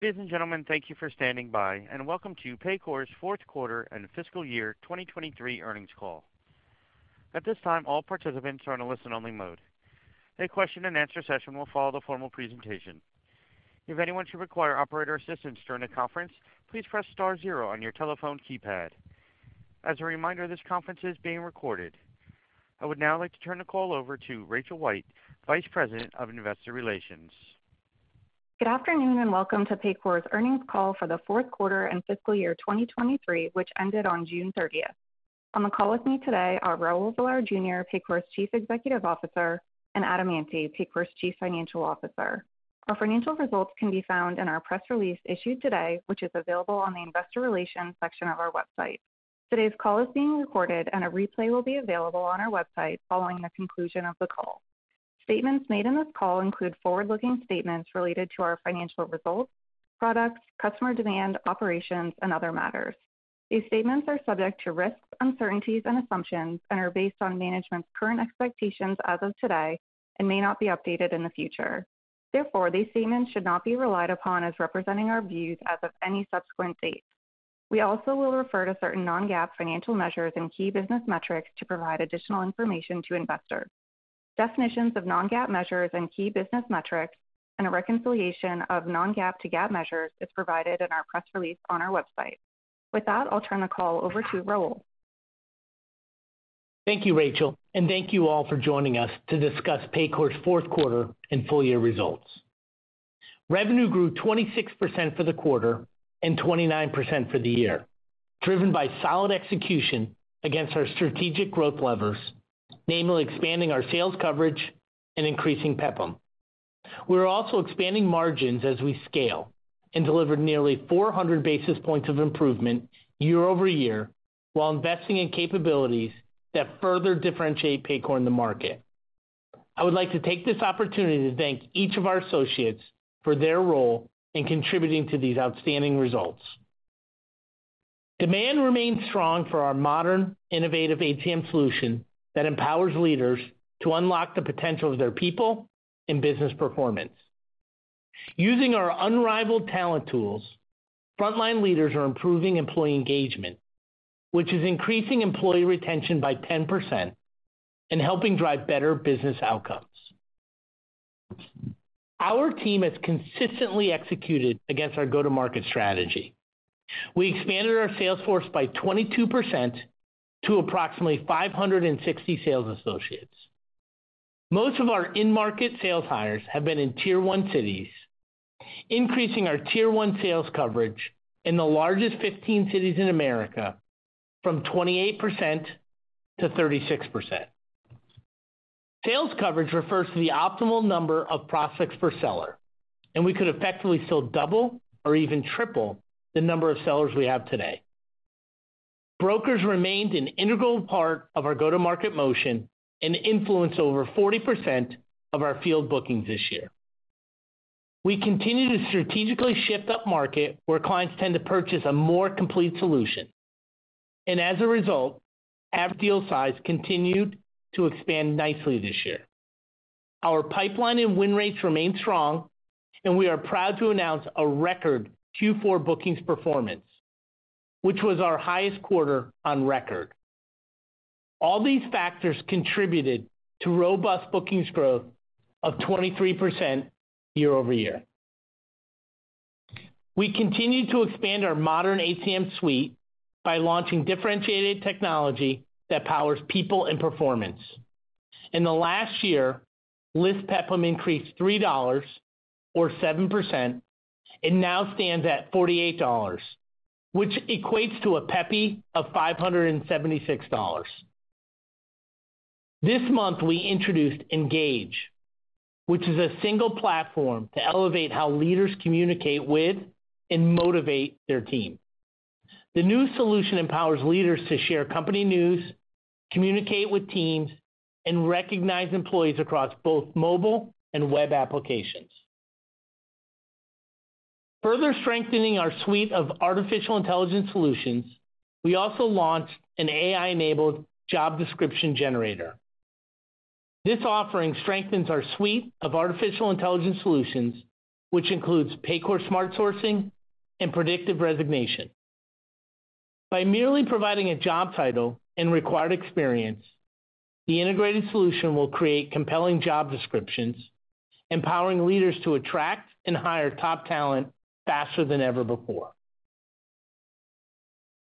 Ladies and gentlemen, thank you for standing by, and welcome to Paycor's fourth quarter and fiscal year 2023 earnings call. At this time, all participants are in a listen-only mode. A question and answer session will follow the formal presentation. If anyone should require operator assistance during the conference, please press star zero on your telephone keypad. As a reminder, this conference is being recorded. I would now like to turn the call over to Rachel White, Vice President of Investor Relations. Good afternoon, welcome to Paycor's earnings call for the fourth quarter and fiscal year 2023, which ended on June 30th. On the call with me today are Raul Villar Jr., Paycor's Chief Executive Officer, Adam Ante, Paycor's Chief Financial Officer. Our financial results can be found in our press release issued today, which is available on the investor relations section of our website. Today's call is being recorded, a replay will be available on our website following the conclusion of the call. Statements made in this call include forward-looking statements related to our financial results, products, customer demand, operations, and other matters. These statements are subject to risks, uncertainties, and assumptions are based on management's current expectations as of today and may not be updated in the future. These statements should not be relied upon as representing our views as of any subsequent date. We also will refer to certain non-GAAP financial measures and key business metrics to provide additional information to investors. Definitions of non-GAAP measures and key business metrics, and a reconciliation of non-GAAP to GAAP measures is provided in our press release on our website. With that, I'll turn the call over to Raul. Thank you, Rachel, and thank you all for joining us to discuss Paycor's fourth quarter and full-year results. Revenue grew 26% for the quarter and 29% for the year, driven by solid execution against our strategic growth levers, namely expanding our sales coverage and increasing PEPM. We're also expanding margins as we scale and delivered nearly 400 basis points of improvement year-over-year, while investing in capabilities that further differentiate Paycor in the market. I would like to take this opportunity to thank each of our associates for their role in contributing to these outstanding results. Demand remains strong for our modern, innovative HCM solution that empowers leaders to unlock the potential of their people and business performance. Using our unrivaled talent tools, frontline leaders are improving employee engagement, which is increasing employee retention by 10% and helping drive better business outcomes. Our team has consistently executed against our go-to-market strategy. We expanded our sales force by 22% to approximately 560 sales associates. Most of our in-market sales hires have been in Tier one cities, increasing our Tier one sales coverage in the largest 15 cities in America from 28%-36%. Sales coverage refers to the optimal number of prospects per seller, and we could effectively fill double or even triple the number of sellers we have today. Brokers remained an integral part of our go-to-market motion and influenced over 40% of our field bookings this year. As a result, average deal size continued to expand nicely this year. Our pipeline and win rates remain strong. We are proud to announce a record Q4 bookings performance, which was our highest quarter on record. All these factors contributed to robust bookings growth of 23% year-over-year. We continued to expand our modern HCM suite by launching differentiated technology that powers people and performance. In the last year, list PEPM increased $3 or 7% and now stands at $48, which equates to a PEPY of $576. This month, we introduced Engage, which is a single platform to elevate how leaders communicate with and motivate their team. The new solution empowers leaders to share company news, communicate with teams, and recognize employees across both mobile and web applications. Further strengthening our suite of artificial intelligence solutions, we also launched an AI-enabled job description generator. This offering strengthens our suite of artificial intelligence solutions, which includes Paycor Smart Sourcing and Predictive Resignation. By merely providing a job title and required experience, the integrated solution will create compelling job descriptions, empowering leaders to attract and hire top talent faster than ever before.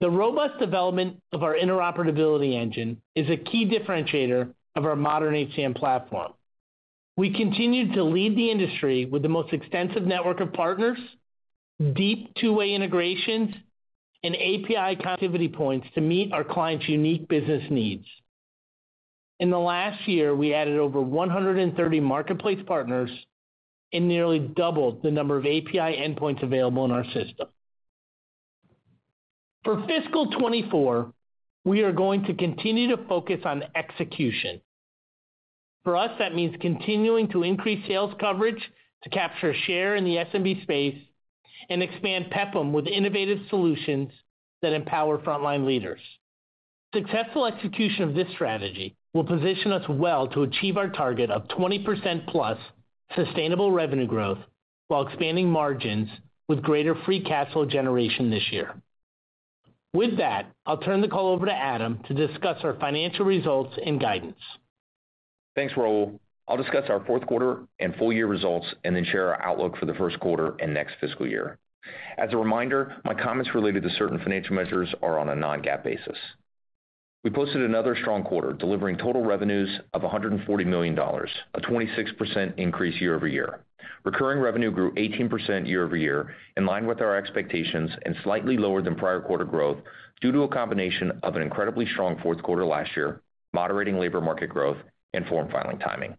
The robust development of our interoperability engine is a key differentiator of our modern HCM platform. We continued to lead the industry with the most extensive network of partners, deep two-way integrations, and API connectivity points to meet our clients' unique business needs. In the last year, we added over 130 marketplace partners and nearly doubled the number of API endpoints available in our system. For fiscal 2024, we are going to continue to focus on execution. For us, that means continuing to increase sales coverage to capture share in the SMB space and expand PEPM with innovative solutions that empower frontline leaders. Successful execution of this strategy will position us well to achieve our target of 20%+ sustainable revenue growth, while expanding margins with greater free cash flow generation this year. With that, I'll turn the call over to Adam to discuss our financial results and guidance. Thanks, Raul. I'll discuss our fourth quarter and full year results, then share our outlook for the first quarter and next fiscal year. As a reminder, my comments related to certain financial measures are on a non-GAAP basis. We posted another strong quarter, delivering total revenues of $140 million, a 26% increase year-over-year. Recurring revenue grew 18% year-over-year, in line with our expectations, slightly lower than prior quarter growth, due to a combination of an incredibly strong fourth quarter last year, moderating labor market growth, and form filing timing.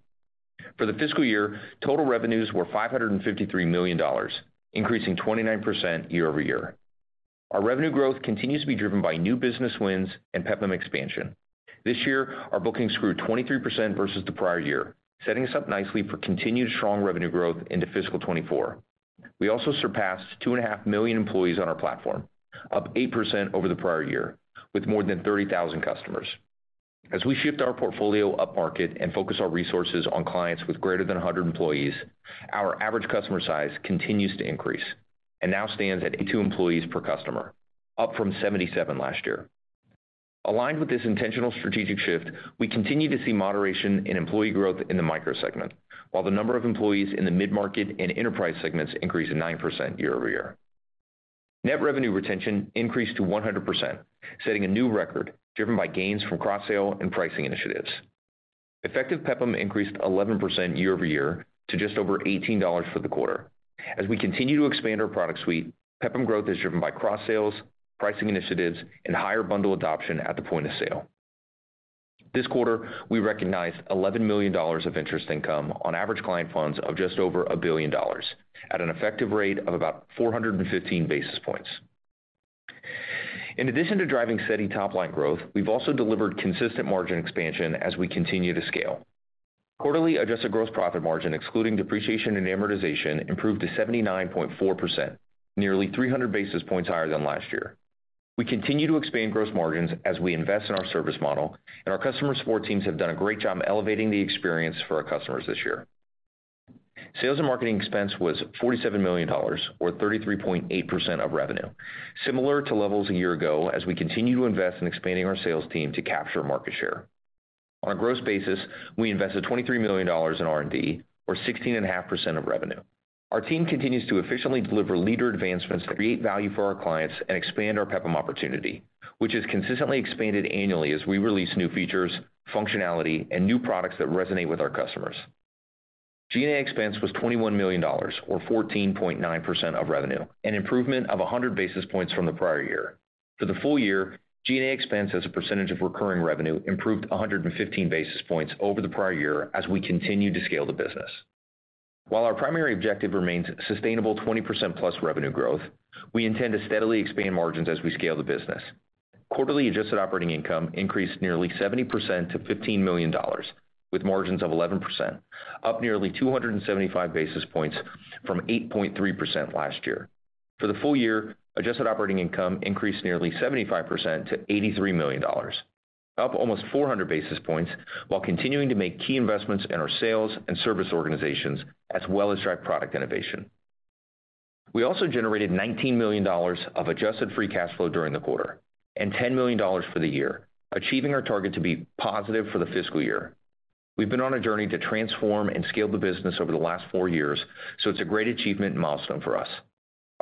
For the fiscal year, total revenues were $553 million, increasing 29% year-over-year. Our revenue growth continues to be driven by new business wins and PEPPM expansion. This year, our bookings grew 23% versus the prior year, setting us up nicely for continued strong revenue growth into fiscal 2024. We also surpassed 2.5 million employees on our platform, up 8% over the prior year, with more than 30,000 customers. As we shift our portfolio upmarket and focus our resources on clients with greater than 100 employees, our average customer size continues to increase, and now stands at 82 employees per customer, up from 77 last year. Aligned with this intentional strategic shift, we continue to see moderation in employee growth in the micro segment, while the number of employees in the mid-market and enterprise segments increased 9% year-over-year. Net Revenue Retention increased to 100%, setting a new record driven by gains from cross-sale and pricing initiatives. Effective PEPPM increased 11% year-over-year to just over $18 for the quarter. We continue to expand our product suite, PEPPM growth is driven by cross-sales, pricing initiatives, and higher bundle adoption at the point of sale. This quarter, we recognized $11 million of interest income on average client funds of just over $1 billion, at an effective rate of about 415 basis points. In addition to driving steady top-line growth, we've also delivered consistent margin expansion as we continue to scale. Quarterly adjusted gross profit margin, excluding depreciation and amortization, improved to 79.4%, nearly 300 basis points higher than last year. We continue to expand gross margins as we invest in our service model, and our customer support teams have done a great job elevating the experience for our customers this year. Sales and marketing expense was $47 million, or 33.8% of revenue, similar to levels a year ago, as we continue to invest in expanding our sales team to capture market share. On a gross basis, we invested $23 million in R&D, or 16.5% of revenue. Our team continues to efficiently deliver leader advancements that create value for our clients and expand our PEPPM opportunity, which has consistently expanded annually as we release new features, functionality, and new products that resonate with our customers. G&A expense was $21 million, or 14.9% of revenue, an improvement of 100 basis points from the prior year. For the full year, G&A expense as a percentage of recurring revenue, improved 115 basis points over the prior year as we continued to scale the business. While our primary objective remains sustainable 20%+ revenue growth, we intend to steadily expand margins as we scale the business. Quarterly Adjusted Operating Income increased nearly 70% to $15 million, with margins of 11%, up nearly 275 basis points from 8.3% last year. For the full year, Adjusted Operating Income increased nearly 75% to $83 million, up almost 400 basis points, while continuing to make key investments in our sales and service organizations, as well as drive product innovation. We also generated $19 million of Adjusted Free Cash Flow during the quarter, and $10 million for the year, achieving our target to be positive for the fiscal year. It's been on a journey to transform and scale the business over the last four years, it's a great achievement and milestone for us.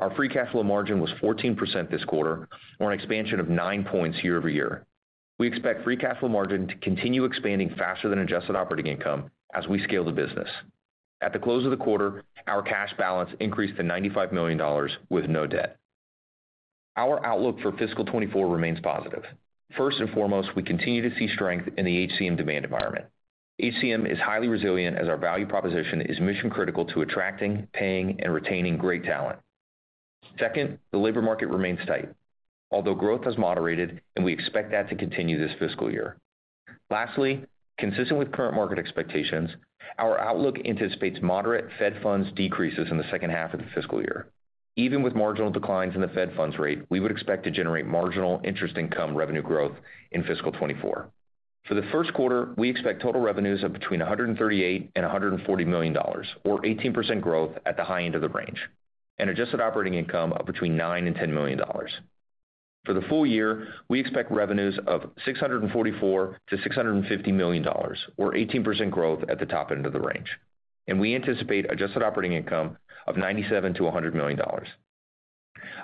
Our free cash flow margin was 14% this quarter, or an expansion of 9 points year-over-year. We expect free cash flow margin to continue expanding faster than Adjusted Operating Income as we scale the business. At the close of the quarter, our cash balance increased to $95 million with no debt. Our outlook for fiscal 2024 remains positive. First and foremost, we continue to see strength in the HCM demand environment. HCM is highly resilient as our value proposition is mission critical to attracting, paying, and retaining great talent. Second, the labor market remains tight, although growth has moderated, and we expect that to continue this fiscal year. Lastly, consistent with current market expectations, our outlook anticipates moderate Federal Funds decreases in the second half of the fiscal year. Even with marginal declines in the Federal Funds rate, we would expect to generate marginal interest income revenue growth in fiscal 2024. For the first quarter, we expect total revenues of between $138 million and $140 million, or 18% growth at the high end of the range, and Adjusted Operating Income of between $9 million and $10 million. For the full year, we expect revenues of $644 million- $650 million, or 18% growth at the top end of the range. We anticipate Adjusted Operating Income of $97 million- $100 million.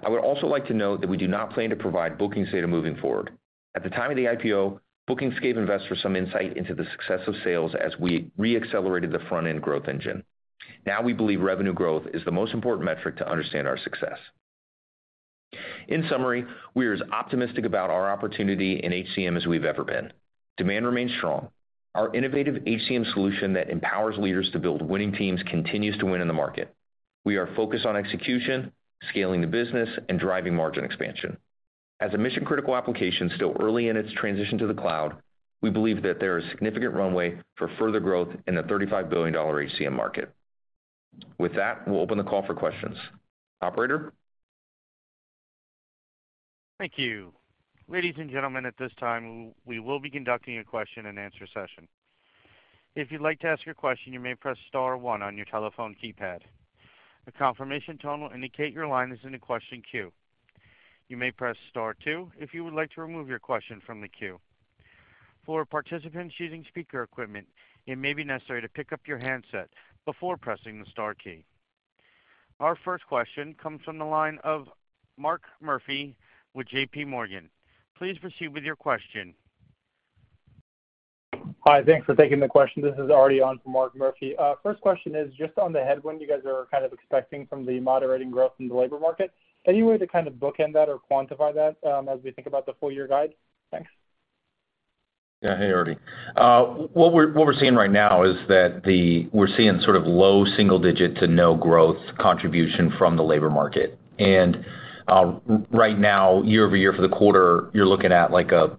I would also like to note that we do not plan to provide bookings data moving forward. At the time of the IPO, bookings gave investors some insight into the success of sales as we re-accelerated the front-end growth engine. We believe revenue growth is the most important metric to understand our success. In summary, we are as optimistic about our opportunity in HCM as we've ever been. Demand remains strong. Our innovative HCM solution that empowers leaders to build winning teams continues to win in the market. We are focused on execution, scaling the business, and driving margin expansion. As a mission-critical application still early in its transition to the cloud, we believe that there is significant runway for further growth in the $35 billion HCM market. With that, we'll open the call for questions. Operator? Thank you. Ladies and gentlemen, at this time, we will be conducting a question-and-answer session. If you'd like to ask your question, you may press star one on your telephone keypad. A confirmation tone will indicate your line is in the question queue. You may press star 2 if you would like to remove your question from the queue. For participants using speaker equipment, it may be necessary to pick up your handset before pressing the star key. Our first question comes from the line of Mark Murphy with JPMorgan. Please proceed with your question. Hi, thanks for taking the question. This is Artie on for Mark Murphy. First question is just on the headwind you guys are kind of expecting from the moderating growth in the labor market. Any way to kind of bookend that or quantify that as we think about the full year guide? Thanks. Yeah. Hey, Artie. What we're seeing right now is that we're seeing sort of low single digit to no growth contribution from the labor market. Right now, year-over-year for the quarter, you're looking at, like, a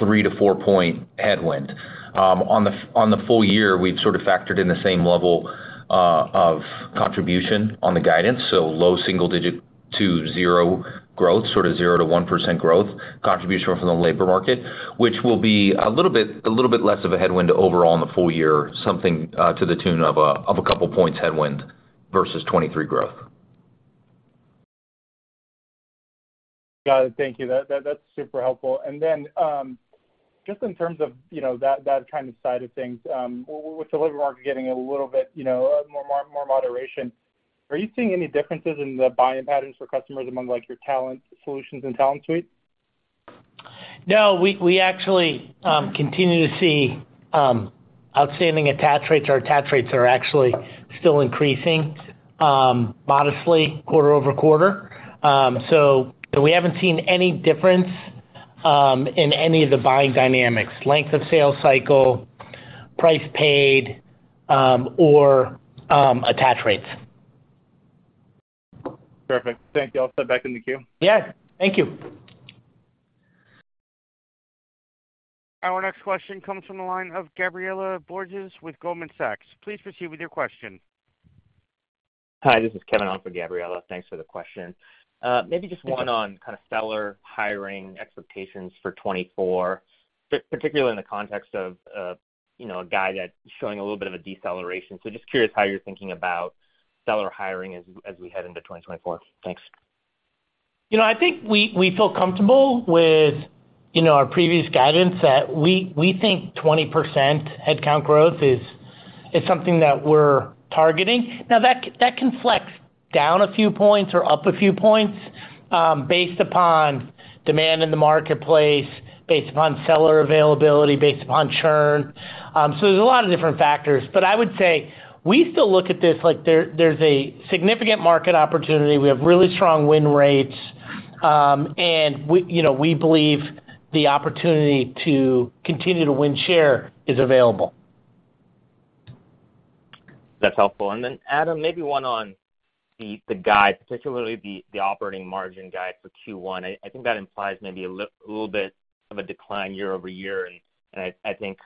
3-4 point headwind. On the, on the full year, we've sort of factored in the same level of contribution on the guidance, so low single digit to zero growth, sort of 0-1% growth contribution from the labor market. Which will be a little bit, a little bit less of a headwind overall in the full year, something to the tune of a, of a couple points headwind versus 2023 growth. Got it. Thank you. That, that's super helpful. Then, just in terms of, you know, that, that kind of side of things, with the labor market getting a little bit, you know, more, more moderation, are you seeing any differences in the buying patterns for customers among, like, your talent solutions and talent suite? No, we, we actually, continue to see, outstanding attach rates. Our attach rates are actually still increasing, modestly quarter-over-quarter. So, so we haven't seen any difference, in any of the buying dynamics, length of sales cycle, price paid, or, attach rates. Perfect. Thank you. I'll step back in the queue. Yeah, thank you. Our next question comes from the line of Gabriela Borges with Goldman Sachs. Please proceed with your question. Hi, this is Kevin on for Gabriella. Thanks for the question. Maybe just one on kind of seller hiring expectations for 2024, particularly in the context of, you know, a guy that's showing a little bit of a deceleration. Just curious how you're thinking about seller hiring as, as we head into 2024. Thanks. You know, I think we, we feel comfortable with, you know, our previous guidance, that we, we think 20% headcount growth is, is something that we're targeting. Now, that, that can flex down a few points or up a few points, based upon demand in the marketplace, based upon seller availability, based upon churn. There's a lot of different factors, but I would say we still look at this like there, there's a significant market opportunity. We have really strong win rates, and we, you know, we believe the opportunity to continue to win share is available. That's helpful. Adam, maybe one on the, the guide, particularly the, the operating margin guide for Q1. I think that implies maybe a little bit of a decline year-over-year, and I think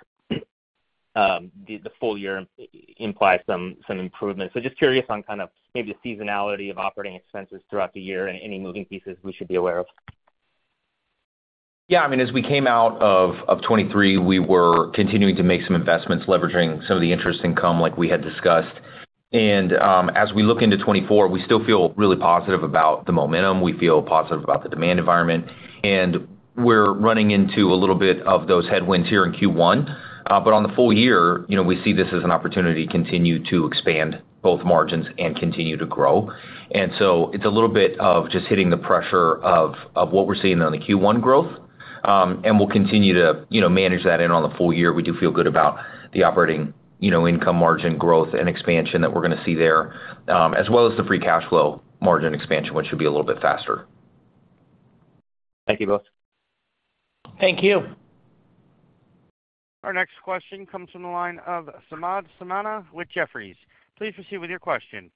the full year implies some, some improvement. Just curious on kind of maybe the seasonality of operating expenses throughout the year and any moving pieces we should be aware of. Yeah, I mean, as we came out of 2023, we were continuing to make some investments, leveraging some of the interest income like we had discussed. As we look into 2024, we still feel really positive about the momentum, we feel positive about the demand environment, and we're running into a little bit of those headwinds here in Q1. On the full year, you know, we see this as an opportunity to continue to expand both margins and continue to grow. So it's a little bit of just hitting the pressure of what we're seeing on the Q1 growth. We'll continue to, you know, manage that in on the full year. We do feel good about the operating, you know, income margin growth and expansion that we're gonna see there, as well as the free cash flow margin expansion, which should be a little bit faster. Thank you both. Thank you. Our next question comes from the line of Samad Samana with Jefferies. Please proceed with your question.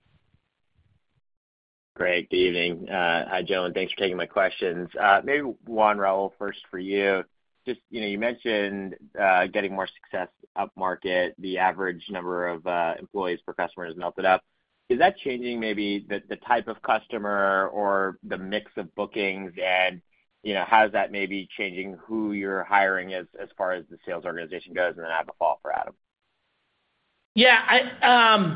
Great. Good evening. Hi, gentlemen, thanks for taking my questions. Maybe one, Raul, first for you. Just, you know, you mentioned getting more success upmarket. The average number of employees per customer has melted up. Is that changing maybe the, the type of customer or the mix of bookings? You know, how is that maybe changing who you're hiring as, as far as the sales organization goes? Then I have a follow-up for Adam. Yeah, I.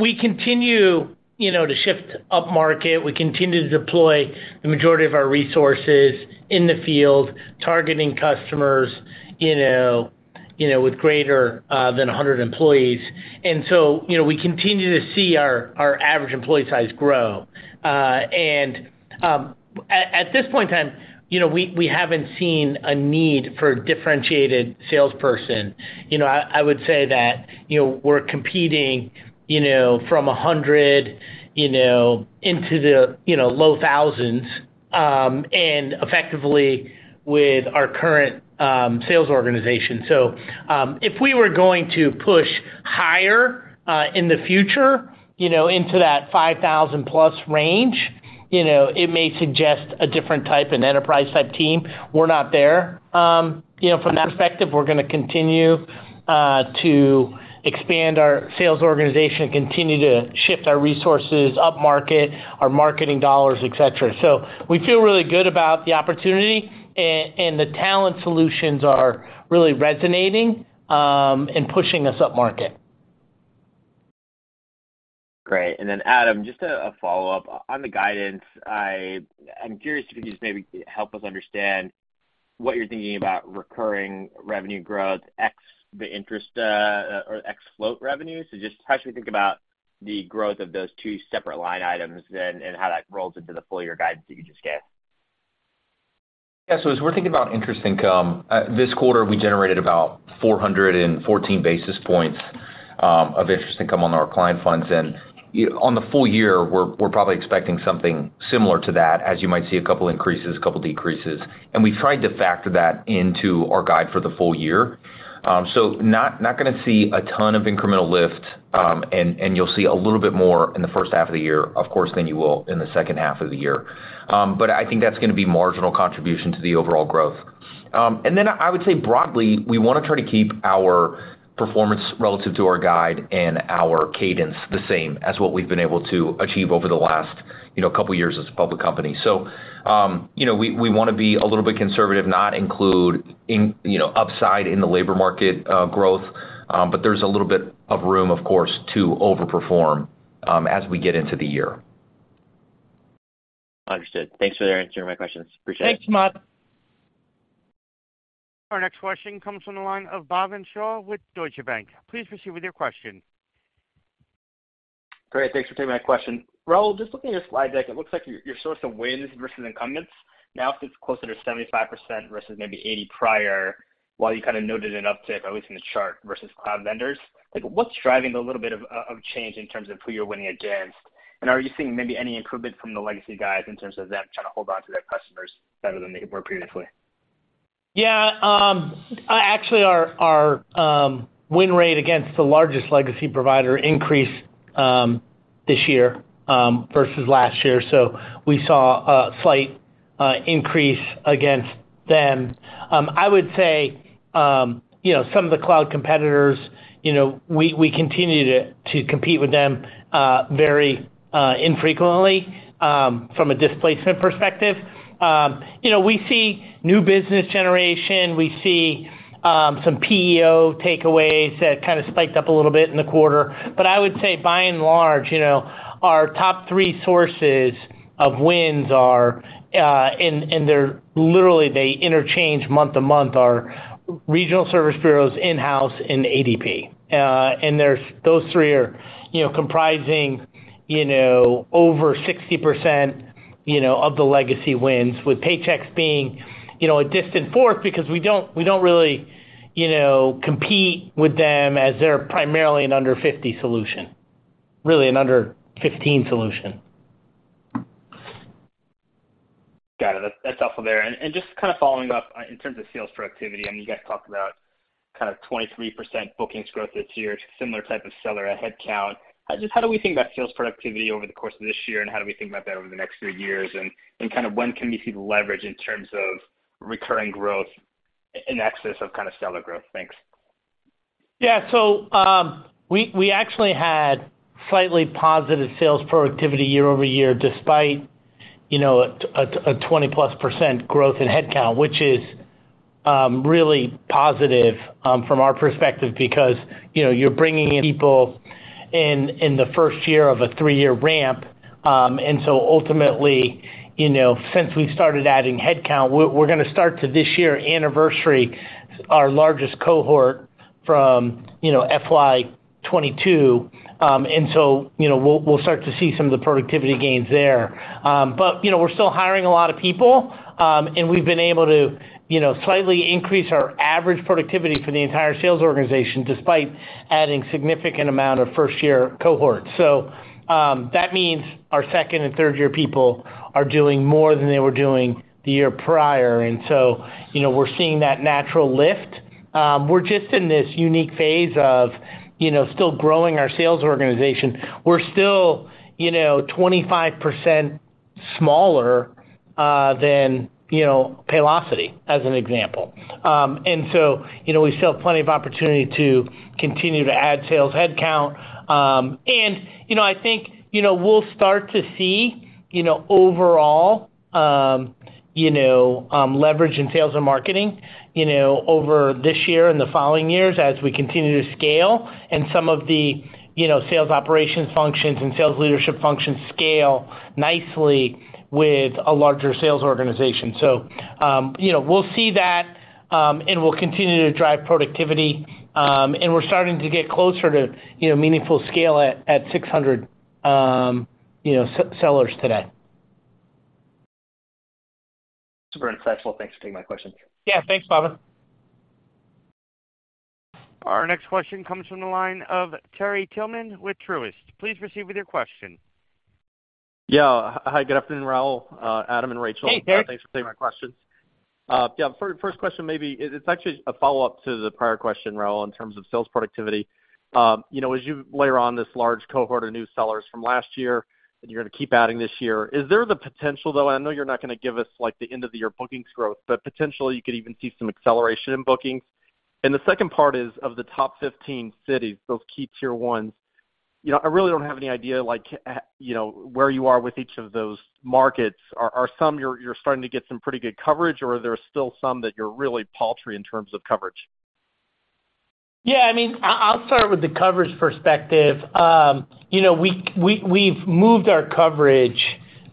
We continue, you know, to shift upmarket. We continue to deploy the majority of our resources in the field, targeting customers, you know, you know, with greater than 100 employees. You know, we continue to see our, our average employee size grow. And at this point in time, you know, we, we haven't seen a need for a differentiated salesperson. You know, I, I would say that, you know, we're competing, you know, from 100, you know, into the, you know, low thousands, and effectively with our current sales organization. If we were going to push higher in the future, you know, into that 5,000+ range. You know, it may suggest a different type, an enterprise-type team. We're not there. You know, from that perspective, we're gonna continue to expand our sales organization, continue to shift our resources upmarket, our marketing dollars, et cetera. We feel really good about the opportunity, and the talent solutions are really resonating and pushing us upmarket. Great. Then, Adam, just a follow-up. On the guidance, I'm curious if you could just maybe help us understand what you're thinking about recurring revenue growth, X, the interest, or X float revenue. Just how should we think about the growth of those two separate line items then, and how that rolls into the full year guidance that you just gave? Yeah. As we're thinking about interest income, this quarter, we generated about 414 basis points of interest income on our client funds. On the full year, we're, we're probably expecting something similar to that, as you might see a couple increases, a couple decreases, and we've tried to factor that into our guide for the full year. Not, not gonna see a ton of incremental lift, and, and you'll see a little bit more in the first half of the year, of course, than you will in the second half of the year. I think that's gonna be marginal contribution to the overall growth. I would say, broadly, we wanna try to keep our performance relative to our guide and our cadence the same as what we've been able to achieve over the last, you know, 2 years as a public company. You know, we, we wanna be a little bit conservative, not include in, you know, upside in the labor market growth. There's a little bit of room, of course, to overperform as we get into the year. Understood. Thanks for answering my questions. Appreciate it. Thanks, Matt. Our next question comes from the line of Bhavin Shah with Deutsche Bank. Please proceed with your question. Great. Thanks for taking my question. Raul, just looking at your slide deck, it looks like your, your source of wins versus incumbents now sits closer to 75% versus maybe 80 prior, while you kind of noted an uptick, at least in the chart, versus cloud vendors. Like, what's driving the little bit of change in terms of who you're winning against? Are you seeing maybe any improvement from the legacy guys in terms of them trying to hold on to their customers better than they were previously? Yeah, actually, our, our, win rate against the largest legacy provider increased this year versus last year, so we saw a slight increase against them. I would say, you know, some of the cloud competitors, you know, we, we continue to, to compete with them very infrequently from a displacement perspective. You know, we see new business generation. We see some PEO takeaways that kind of spiked up a little bit in the quarter. I would say by and large, you know, our top 3 sources of wins are, and, and they're literally, they interchange month to month, are regional service bureaus, in-house, and ADP. And there's... Those three are, you know, comprising, you know, over 60%, you know, of the legacy wins, with Paychex being, you know, a distant fourth because we don't, we don't really, you know, compete with them as they're primarily an under 50 solution, really an under 15 solution. Got it. That's helpful there. Just kind of following up in terms of sales productivity, I mean, you guys talked about kind of 23% bookings growth this year, similar type of seller, a headcount. Just how do we think about sales productivity over the course of this year, and how do we think about that over the next 3 years? And kind of when can we see the leverage in terms of recurring growth in excess of kind of stellar growth? Thanks. Yeah. We, we actually had slightly positive sales productivity year-over-year, despite, you know, a, a, a 20%+ growth in headcount, which is really positive from our perspective, because, you know, you're bringing in people in, in the 1st year of a 3-year ramp. Ultimately, you know, since we started adding headcount, we're, we're gonna start to this year anniversary, our largest cohort from, you know, FY22. You know, we'll, we'll start to see some of the productivity gains there. You know, we're still hiring a lot of people, and we've been able to, you know, slightly increase our average productivity for the entire sales organization, despite adding significant amount of 1st-year cohorts. That means our second- and third-year people are doing more than they were doing the year prior, and so, you know, we're seeing that natural lift. We're just in this unique phase of, you know, still growing our sales organization. We're still, you know, 25% smaller than, you know, Paylocity, as an example. And so, you know, we still have plenty of opportunity to continue to add sales headcount. And, you know, I think, you know, we'll start to see, you know, overall, you know, leverage in sales and marketing, you know, over this year and the following years as we continue to scale. Some of the, you know, sales operations functions and sales leadership functions scale nicely with a larger sales organization. You know, we'll see that, and we'll continue to drive productivity, and we're starting to get closer to, you know, meaningful scale at, at 600, you know, sellers today. Super insightful. Thanks for taking my question. Yeah. Thanks, Bhavin. Our next question comes from the line of Terry Tillman with Truist. Please proceed with your question. Yeah. Hi, good afternoon, Raul, Adam, and Rachel. Hey, Terry. Thanks for taking my questions.... Yeah, first, first question, maybe it, it's actually a follow-up to the prior question, Raul, in terms of sales productivity. you know, as you layer on this large cohort of new sellers from last year, and you're gonna keep adding this year, is there the potential, though, I know you're not gonna give us, like, the end-of-the-year bookings growth, but potentially you could even see some acceleration in bookings? The second part is, of the top 15 cities, those key Tier 1s, you know, I really don't have any idea, like, you know, where you are with each of those markets. Are, are some you're, you're starting to get some pretty good coverage, or are there still some that you're really paltry in terms of coverage? Yeah, I mean, I, I'll start with the coverage perspective. you know, we, we, we've moved our coverage,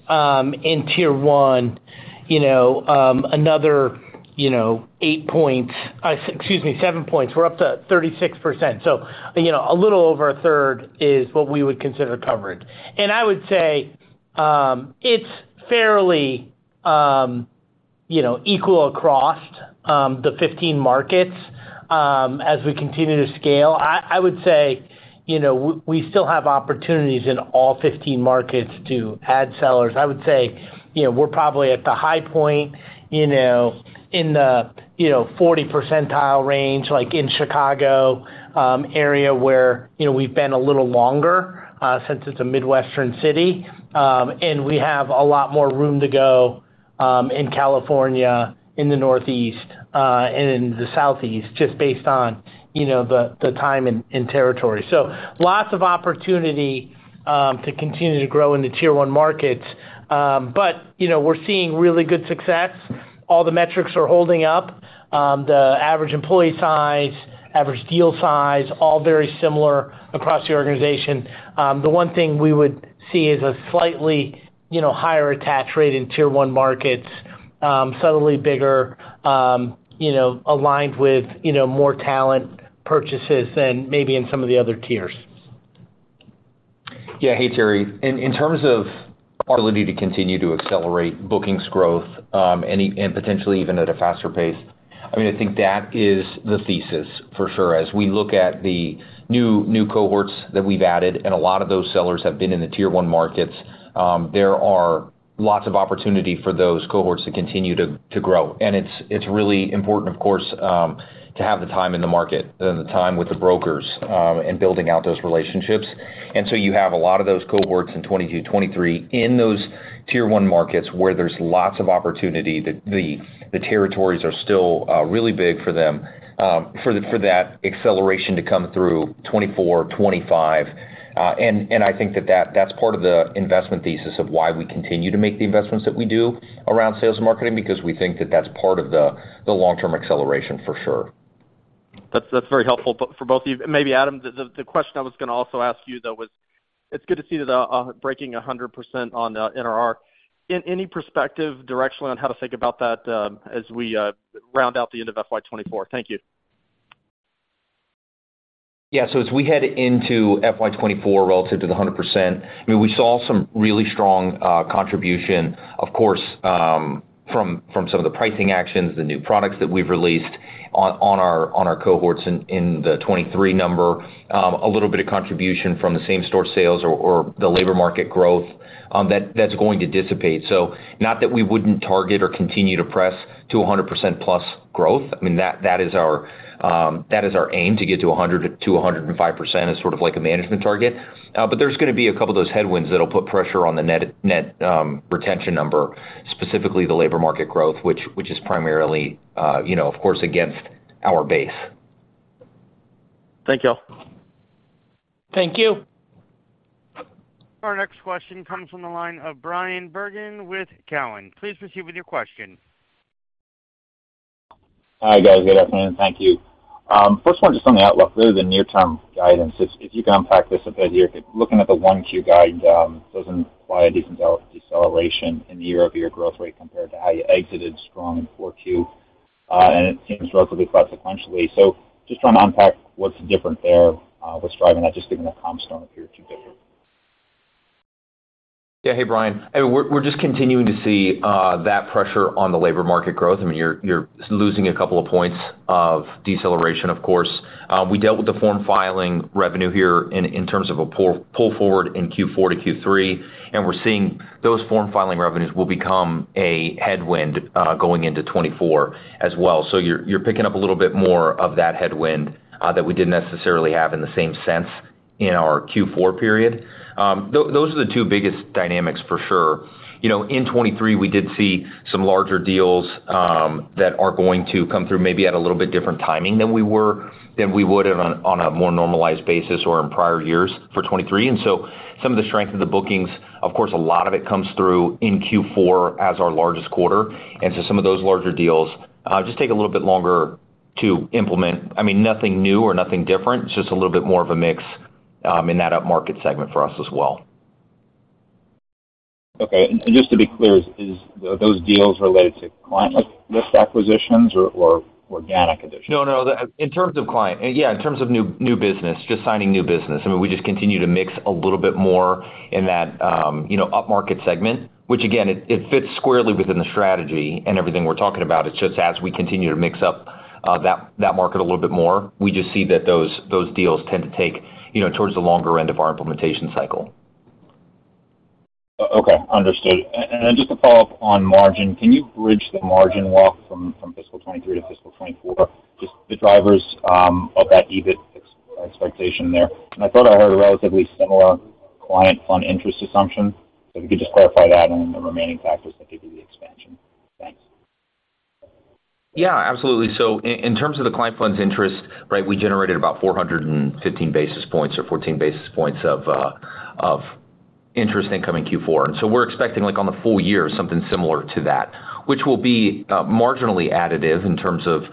in Tier 1, you know, another, you know, 8 points, excuse me, seven points. We're up to 36%. you know, a little over a third is what we would consider coverage. I would say, it's fairly, you know, equal across, the 15 markets, as we continue to scale. I, I would say, you know, we still have opportunities in all 15 markets to add sellers. I would say, you know, we're probably at the high point, you know, in the, you know, 40 percentile range, like in Chicago, area, where, you know, we've been a little longer, since it's a Midwestern city. We have a lot more room to go in California, in the Northeast, and in the Southeast, just based on, you know, the, the time and, and territory. Lots of opportunity to continue to grow in the Tier one markets. You know, we're seeing really good success. All the metrics are holding up. The average employee size, average deal size, all very similar across the organization. The one thing we would see is a slightly, you know, higher attach rate in Tier one markets, subtly bigger, you know, aligned with, you know, more talent purchases than maybe in some of the other tiers. Yeah. Hey, Terry. In, in terms of our ability to continue to accelerate bookings growth, and potentially even at a faster pace, I mean, I think that is the thesis for sure. As we look at the new, new cohorts that we've added, and a lot of those sellers have been in the Tier one markets, there are lots of opportunity for those cohorts to continue to, to grow. It's, it's really important, of course, to have the time in the market and the time with the brokers, in building out those relationships. You have a lot of those cohorts in 2022, 2023, in those Tier onemarkets, where there's lots of opportunity. The, the territories are still really big for them, for that acceleration to come through 2024, 2025. I think that, that's part of the investment thesis of why we continue to make the investments that we do around sales and marketing, because we think that that's part of the, the long-term acceleration for sure. That's, that's very helpful but for both of you. Maybe, Adam, the question I was gonna also ask you, though, was: It's good to see the breaking 100% on the NRR. In any perspective, directionally, on how to think about that, as we round out the end of FY24? Thank you. Yeah. As we head into FY24 relative to the 100%, I mean, we saw some really strong contribution, of course, from, from some of the pricing actions, the new products that we've released on, on our, on our cohorts in, in the 23 number. A little bit of contribution from the same-store sales or, or the labor market growth, that's going to dissipate. Not that we wouldn't target or continue to press to 100%+ growth, I mean, that, that is our aim to get to 100%-105% as sort of like a management target. There's gonna be a couple of those headwinds that'll put pressure on the net, net, retention number, specifically the labor market growth, which, which is primarily, you know, of course, against our base. Thank you all. Thank you. Our next question comes from the line of Bryan Bergen with Cowen. Please proceed with your question. Hi, guys. Good afternoon, thank you. First one, just on the outlook, really the near-term guidance. If, if you can unpack this a bit here, looking at the 1Q guide, shows an quite a decent deceleration in the year-over-year growth rate compared to how you exited strong in 4Q, and it seems relatively quite sequentially. Just trying to unpack what's different there, what's driving that, just given that cornerstone appeared to differ? Yeah. Hey, Brian. We're, we're just continuing to see that pressure on the labor market growth. I mean, you're, you're losing a couple of points of deceleration, of course. We dealt with the form filing revenue here in, in terms of a pull, pull forward in Q4 to Q3. We're seeing those form filing revenues will become a headwind, going into 2024 as well. You're, you're picking up a little bit more of that headwind, that we didn't necessarily have in the same sense in our Q4 period. Those are the two biggest dynamics for sure. You know, in 2023, we did see some larger deals, that are going to come through maybe at a little bit different timing than we would have on, on a more normalized basis or in prior years for 2023. Some of the strength of the bookings, of course, a lot of it comes through in Q4 as our largest quarter, and so some of those larger deals just take a little bit longer to implement. I mean, nothing new or nothing different, just a little bit more of a mix in that upmarket segment for us as well. Okay. Just to be clear, are those deals related to client, like list acquisitions or organic acquisitions? No, no, in terms of client. Yeah, in terms of new, new business, just signing new business. I mean, we just continue to mix a little bit more in that, you know, upmarket segment, which again, it, it fits squarely within the strategy and everything we're talking about. It's just as we continue to mix up, that, that market a little bit more, we just see that those, those deals tend to take, you know, towards the longer end of our implementation cycle. Okay, understood. Then just to follow up on margin, can you bridge the margin walk from, from fiscal 2023 to fiscal 2024? Just the drivers of that EBIT expectation there. I thought I heard a relatively similar client fund interest assumption. So if you could just clarify that and the remaining factors that give you the expansion. Thanks. Yeah, absolutely. So i-in terms of the client funds interest, right, we generated about 415 basis points or 14 basis points of interest incoming Q4. So we're expecting, like, on the full year, something similar to that, which will be marginally additive in terms of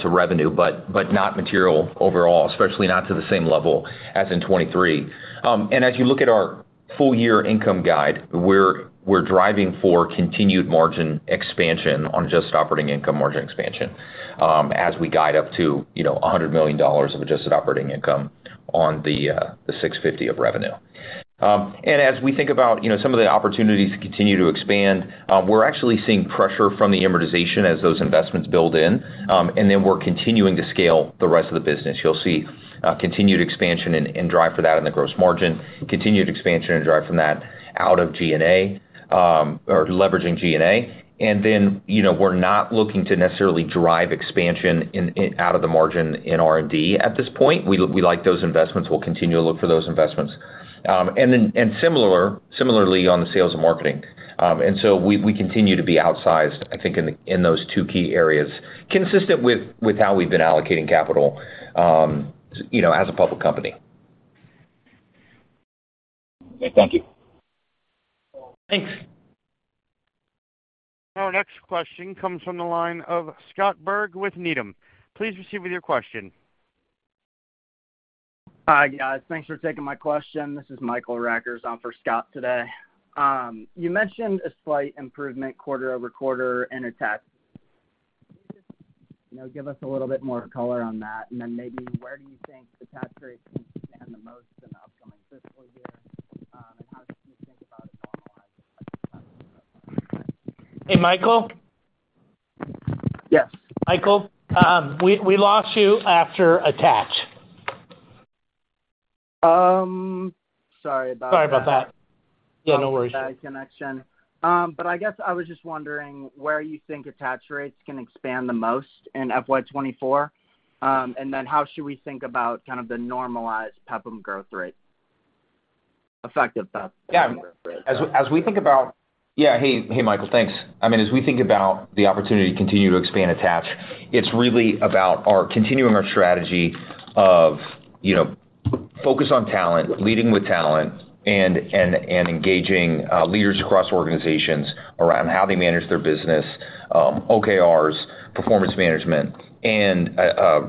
to revenue, but, but not material overall, especially not to the same level as in 2023. As you look at our full year income guide, we're, we're driving for continued margin expansion on Adjusted Operating Income margin expansion, as we guide up to, you know, $100 million of Adjusted Operating Income on the $650 million of revenue. As we think about, you know, some of the opportunities to continue to expand, we're actually seeing pressure from the amortization as those investments build in. We're continuing to scale the rest of the business. You'll see continued expansion and drive for that in the gross margin, continued expansion and drive from that out of G&A, or leveraging G&A. You know, we're not looking to necessarily drive expansion in out of the margin in R&D at this point. We like those investments. We'll continue to look for those investments. Similarly, on the sales and marketing. We, we continue to be outsized, I think, in those two key areas, consistent with how we've been allocating capital, you know, as a public company. Thank you. Thanks. Our next question comes from the line of Scott Berg with Needham. Please proceed with your question. Hi, guys. Thanks for taking my question. This is Michael Rackers on for Scott today. You mentioned a slight improvement quarter-over-quarter in attach. Can you just, you know, give us a little bit more color on that, and then maybe where do you think the attach rate can expand the most in the upcoming fiscal year? How do you think about it normalizing? Hey, Michael? Yes. Michael, we, we lost you after attach. Sorry about that. Sorry about that. Yeah, no worries. Bad connection. I guess I was just wondering where you think attach rates can expand the most in FY24, and then how should we think about kind of the normalized PEPM growth rate? Effective PEPM growth rate. Yeah. As we think about... Yeah, hey, hey, Michael, thanks. I mean, as we think about the opportunity to continue to expand attach, it's really about our continuing our strategy of, you know, focus on talent, leading with talent, and engaging leaders across organizations around how they manage their business, OKRs, performance management, and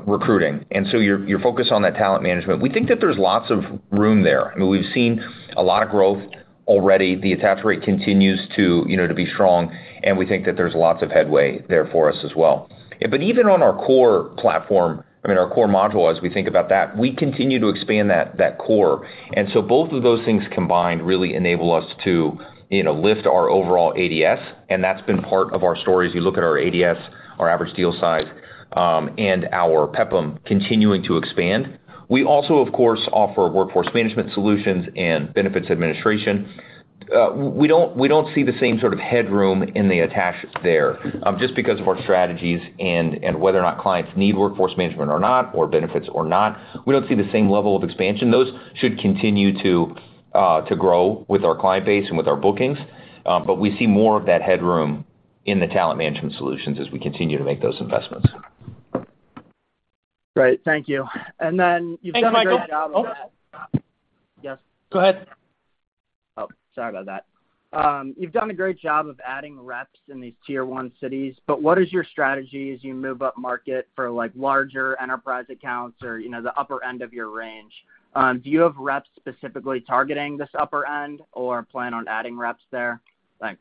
recruiting. Your focused on that talent management. We think that there's lots of room there. I mean, we've seen a lot of growth already. The attach rate continues to, you know, to be strong, and we think that there's lots of headway there for us as well. Even on our core platform, I mean, our core module, as we think about that, we continue to expand that core. Both of those things combined really enable us to, you know, lift our overall ADS, and that's been part of our story. As you look at our ADS, our average deal size, and our PEPM continuing to expand. We also, of course, offer workforce management solutions and benefits administration. We don't, we don't see the same sort of headroom in the attach there, just because of our strategies and, and whether or not clients need workforce management or not, or benefits or not. We don't see the same level of expansion. Those should continue to grow with our client base and with our bookings, but we see more of that headroom in the talent management solutions as we continue to make those investments. Great. Thank you. Then you've done a great job of that... Thanks, Michael. Yes. Go ahead. Oh, sorry about that. You've done a great job of adding reps in these Tier one cities, but what is your strategy as you move up market for, like, larger enterprise accounts or, you know, the upper end of your range? Do you have reps specifically targeting this upper end or plan on adding reps there? Thanks.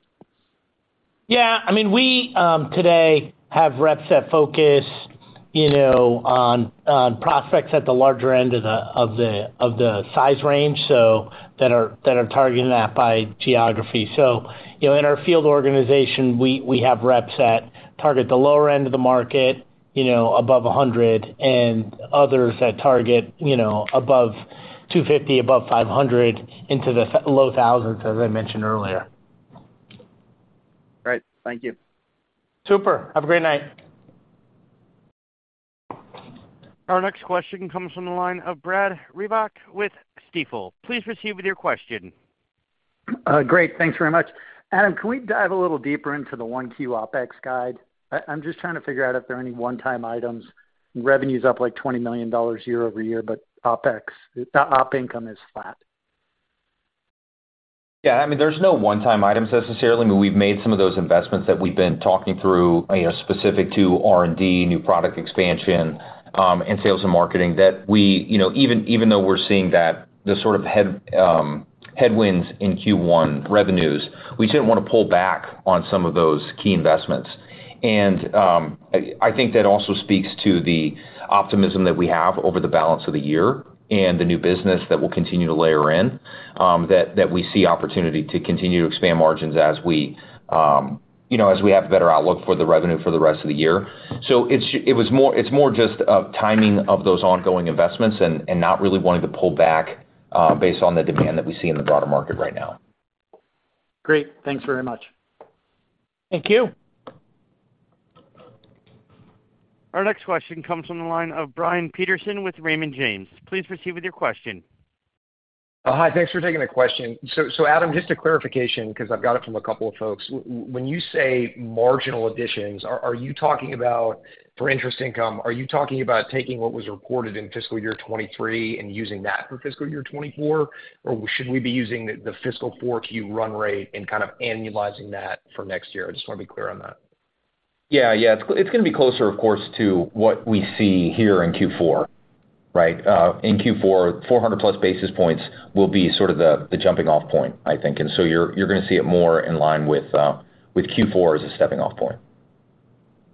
I mean, we, today have reps that focus, you know, on, on prospects at the larger end of the size range, that are targeted by geography. You know, in our field organization, we have reps that target the lower end of the market, you know, above 100, and others that target, you know, above 250, above 500, into the low thousands, as I mentioned earlier. Great. Thank you. Super. Have a great night. Our next question comes from the line of Brad Reback with Stifel. Please proceed with your question. Great. Thanks very much. Adam, can we dive a little deeper into the 1Q OpEx guide? I'm just trying to figure out if there are any one-time items. Revenue's up, like, $20 million year-over-year, but OpEx, op income is flat. Yeah, I mean, there's no one-time items necessarily, but we've made some of those investments that we've been talking through, you know, specific to R&D, new product expansion, and sales and marketing. You know, even, even though we're seeing that, headwinds in Q1 revenues, we didn't want to pull back on some of those key investments. I, I think that also speaks to the optimism that we have over the balance of the year and the new business that we'll continue to layer in, that, that we see opportunity to continue to expand margins as we, you know, as we have a better outlook for the revenue for the rest of the year. It's more just timing of those ongoing investments and not really wanting to pull back based on the demand that we see in the broader market right now. Great. Thanks very much. Thank you. Our next question comes from the line of Brian Peterson with Raymond James. Please proceed with your question. Hi. Thanks for taking the question. Adam, just a clarification, because I've got it from a couple of folks. When you say marginal additions, are you talking about for interest income, are you talking about taking what was reported in fiscal year 2023 and using that for fiscal year 2024? Or should we be using the fiscal 4Q run rate and kind of annualizing that for next year? I just want to be clear on that. Yeah, yeah. It's, it's gonna be closer, of course, to what we see here in Q4, right? In Q4, 400+ basis points will be sort of the, the jumping off point, I think. You're, you're gonna see it more in line with Q4 as a stepping off point.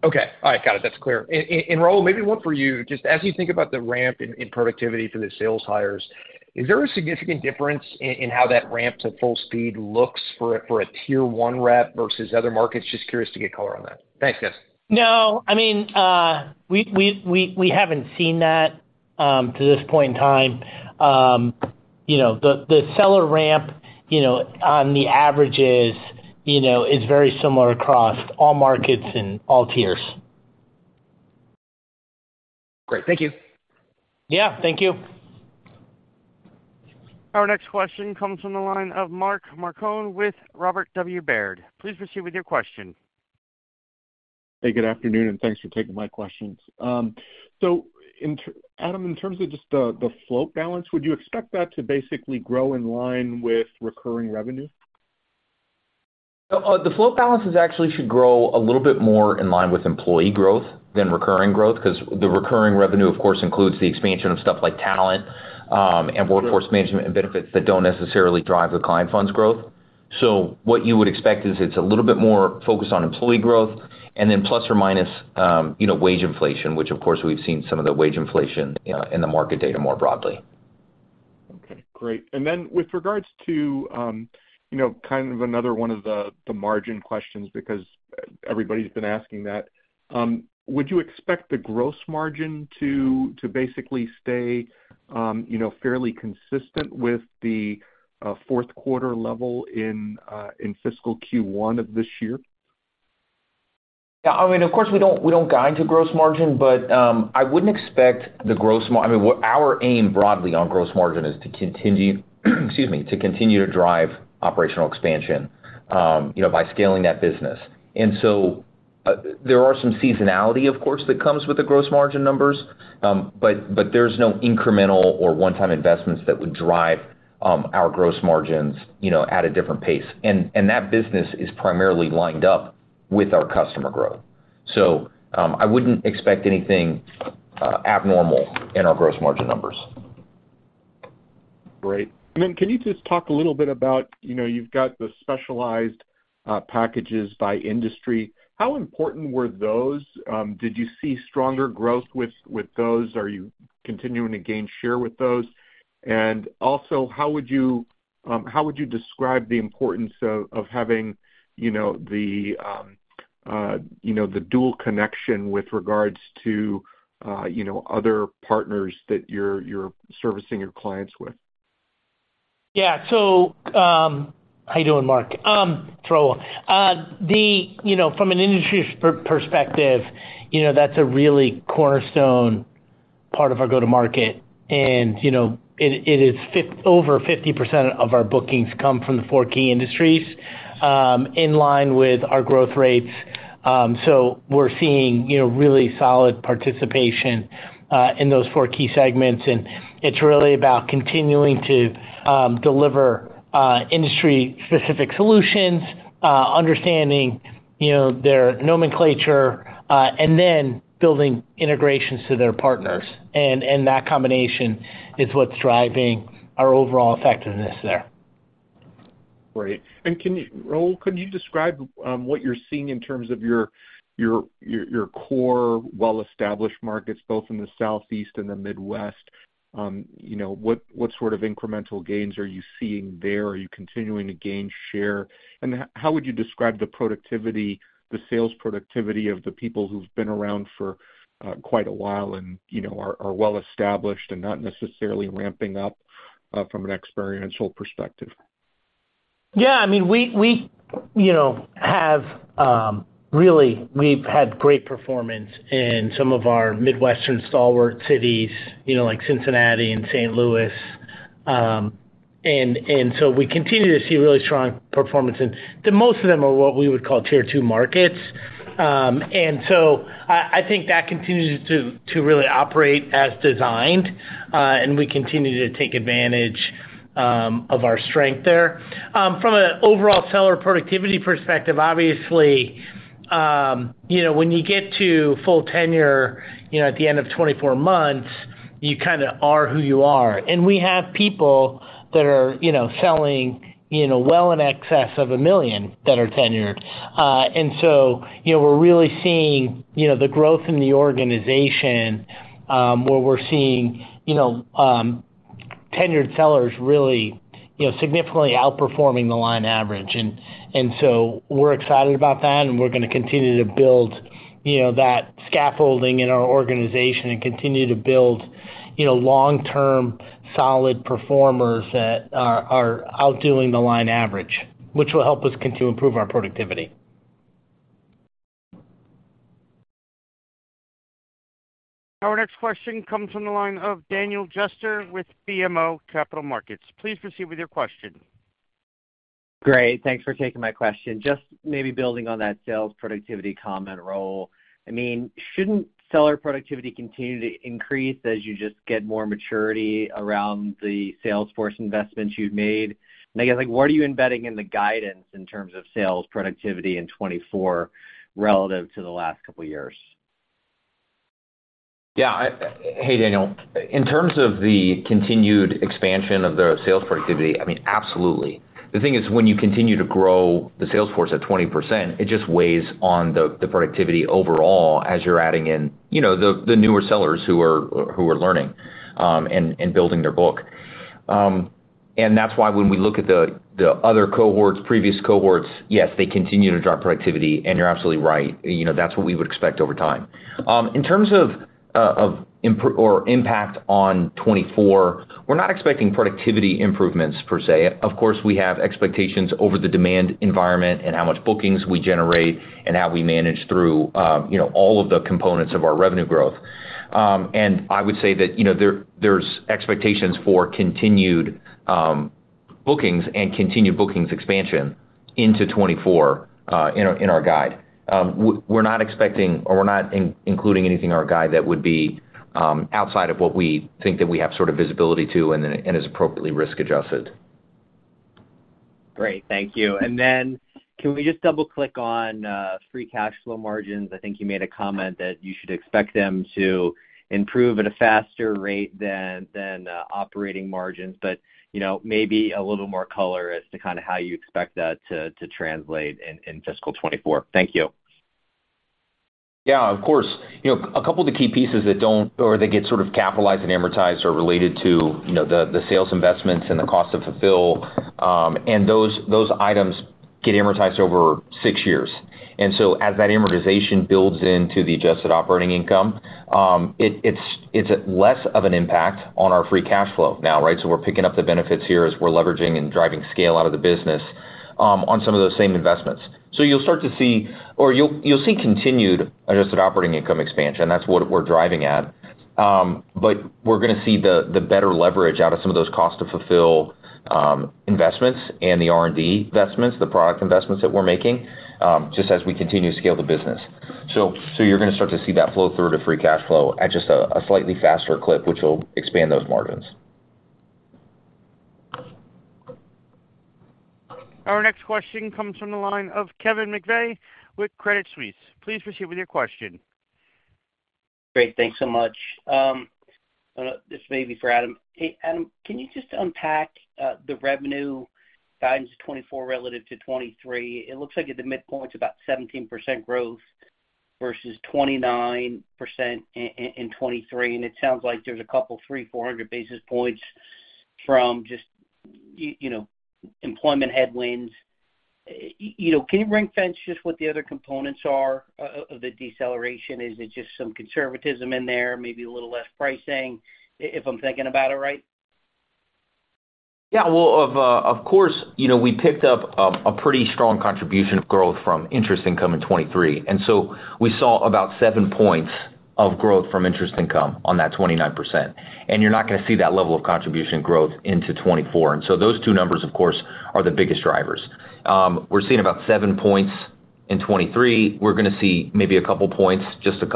Okay. All right, got it. That's clear. Raul, maybe one for you. Just as you think about the ramp in, in productivity for the sales hires, is there a significant difference in, in how that ramp to full speed looks for a, for a Tier one rep versus other markets? Just curious to get color on that. Thanks, guys. No, I mean, we haven't seen that to this point in time. You know, the seller ramp, you know, on the average is, you know, is very similar across all markets and all tiers. Great. Thank you. Yeah, thank you. Our next question comes from the line of Mark Marcon with Robert W. Baird. Please proceed with your question. Hey, good afternoon, and thanks for taking my questions. Adam, in terms of just the, the float balance, would you expect that to basically grow in line with recurring revenue? The float balances actually should grow a little bit more in line with employee growth than recurring growth, 'cause the recurring revenue, of course, includes the expansion of stuff like talent, and workforce management and benefits that don't necessarily drive the client funds growth. What you would expect is it's a little bit more focused on employee growth and then plus or minus, you know, wage inflation, which of course, we've seen some of the wage inflation in the market data more broadly. Okay, great. Then with regards to, you know, kind of another one of the, the margin questions, because everybody's been asking that, would you expect the gross margin to basically stay, you know, fairly consistent with the fourth quarter level in fiscal Q1 of this year? Yeah, I mean, of course, we don't, we don't guide to gross margin, but, I wouldn't expect the gross I mean, what our aim broadly on gross margin is to continue, excuse me, to continue to drive operational expansion, you know, by scaling that business. There are some seasonality, of course, that comes with the gross margin numbers, but, but there's no incremental or one-time investments that would drive our gross margins, you know, at a different pace. That business is primarily lined up with our customer growth. I wouldn't expect anything abnormal in our gross margin numbers. Great. Can you just talk a little bit about, you've got the specialized packages by industry. How important were those? Did you see stronger growth with, with those? Are you continuing to gain share with those? How would you describe the importance of, of having the dual connection with regards to other partners that you're, you're servicing your clients with? Yeah. How you doing, Mark? It's Raul. The... You know, from an industry perspective, you know, that's a really Cornerstone part of our go-to-market, and, you know, it, it is over 50% of our bookings come from the four key industries, in line with our growth rates. We're seeing, you know, really solid participation, in those four key segments, and it's really about continuing to deliver industry-specific solutions, understanding, you know, their nomenclature, and then building integrations to their partners. That combination is what's driving our overall effectiveness there. Great. Can you, Raul, could you describe what you're seeing in terms of your, your, your, your core, well-established markets, both in the Southeast and the Midwest? You know, what, what sort of incremental gains are you seeing there? Are you continuing to gain share? How would you describe the productivity, the sales productivity of the people who've been around for quite a while and, you know, are, are well-established and not necessarily ramping up from an experiential perspective? Yeah, I mean, we, you know, have really we've had great performance in some of our Midwestern stalwart cities, you know, like Cincinnati and St. Louis. So we continue to see really strong performance, the most of them are what we would call Tier 2 markets. So I, I think that continues to, to really operate as designed, and we continue to take advantage of our strength there. From an overall seller productivity perspective, obviously, you know, when you get to full tenure, you know, at the end of 24 months, you kinda are who you are. We have people that are, you know, selling, you know, well in excess of $1 million that are tenured. You know, we're really seeing, you know, the growth in the organization, where we're seeing, you know, tenured sellers really, you know, significantly outperforming the line average. We're excited about that, and we're gonna continue to build, you know, that scaffolding in our organization and continue to build, you know, long-term, solid performers that are, are outdoing the line average, which will help us continue to improve our productivity. Our next question comes from the line of Daniel Jester with BMO Capital Markets. Please proceed with your question. Great, thanks for taking my question. Just maybe building on that sales productivity comment, Raul. I mean, shouldn't seller productivity continue to increase as you just get more maturity around the sales force investments you've made? I guess, like, what are you embedding in the guidance in terms of sales productivity in 2024 relative to the last couple of years? Yeah. Hey, Daniel. In terms of the continued expansion of the sales productivity, I mean, absolutely. The thing is, when you continue to grow the sales force at 20%, it just weighs on the, the productivity overall as you're adding in, you know, the, the newer sellers who are, who are learning, and, and building their book. That's why when we look at the, the other cohorts, previous cohorts, yes, they continue to drive productivity, and you're absolutely right. You know, that's what we would expect over time. In terms of improv- or impact on 2024, we're not expecting productivity improvements per se. Of course, we have expectations over the demand environment and how much bookings we generate and how we manage through, you know, all of the components of our revenue growth. I would say that, you know, there, there's expectations for continued bookings and continued bookings expansion into 2024 in our, in our guide. We're not expecting or we're not including anything in our guide that would be outside of what we think that we have sort of visibility to and then, and is appropriately risk-adjusted. Great. Thank you. Then can we just double-click on free cash flow margins? I think you made a comment that you should expect them to improve at a faster rate than, than operating margins, but, you know, maybe a little more color as to kind of how you expect that to, to translate in, in fiscal 2024. Thank you. Yeah, of course. You know, a couple of the key pieces that get sort of capitalized and amortized are related to, you know, the sales investments and the cost to fulfill, those, those items get amortized over six years. as that amortization builds into the Adjusted Operating Income, it's less of an impact on our Free Cash Flow now, right? we're picking up the benefits here as we're leveraging and driving scale out of the business on some of those same investments. you'll start to see or you'll see continued Adjusted Operating Income expansion. That's what we're driving at. We're going to see the, the better leverage out of some of those costs to fulfill investments and the R&D investments, the product investments that we're making just as we continue to scale the business. So you're going to start to see that flow through to free cash flow at just a, a slightly faster clip, which will expand those margins. Our next question comes from the line of Kevin McVeigh with Credit Suisse. Please proceed with your question. Great. Thanks so much. This may be for Adam. Hey, Adam, can you just unpack the revenue guidance 2024 relative to 2023? It looks like at the midpoint, it's about 17% growth versus 29% in 2023. It sounds like there's a couple, 300-400 basis points from just you know, employment headwinds. You know, can you ring fence just what the other components are of the deceleration? Is it just some conservatism in there, maybe a little less pricing, if I'm thinking about it right? Yeah, well, of course, you know, we picked up a pretty strong contribution of growth from interest income in 2023, and so we saw about seven points of growth from interest income on that 29%. You're not going to see that level of contribution growth into 2024. Those two numbers, of course, are the biggest drivers. We're seeing about seven points in 2023. We're going to see maybe 2 points, just 2,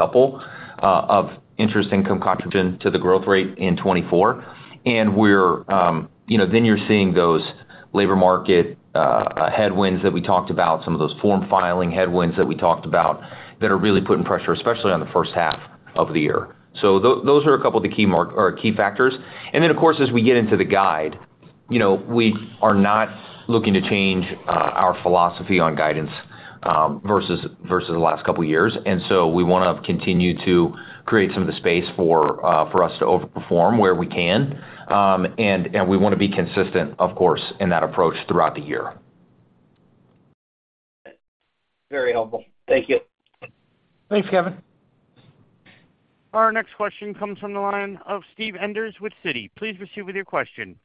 of interest income contribution to the growth rate in 2024. We're, you know, then you're seeing those labor market headwinds that we talked about, some of those form filing headwinds that we talked about, that are really putting pressure, especially on the first half of the year. Those are 2 of the key mark or key factors. Then, of course, as we get into the guide, you know, we are not looking to change, our philosophy on guidance, versus, versus the last couple of years. So we want to continue to create some of the space for, for us to overperform where we can, and, and we want to be consistent, of course, in that approach throughout the year. Very helpful. Thank you. Thanks, Kevin. Our next question comes from the line of Steven Enders with Citi. Please proceed with your question.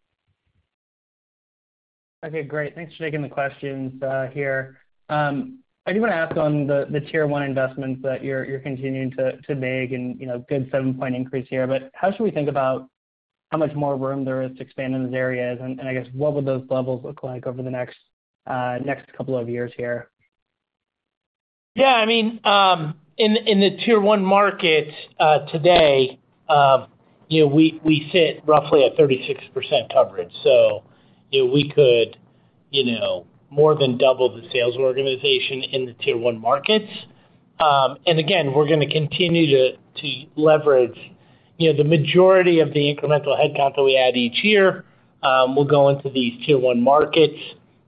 Okay, great. Thanks for taking the questions here. I do want to ask on the Tier one investments that you're continuing to make and, you know, good 7-point increase here, but how should we think about how much more room there is to expand in these areas? I guess, what would those levels look like over the next 2 years here? Yeah, I mean, in, in the Tier one markets, today, you know, we, we sit roughly at 36% coverage. You know, we could, you know, more than double the sales organization in the Tier one markets. Again, we're going to continue to, to leverage, you know, the majority of the incremental headcount that we add each year, will go into these Tier one markets.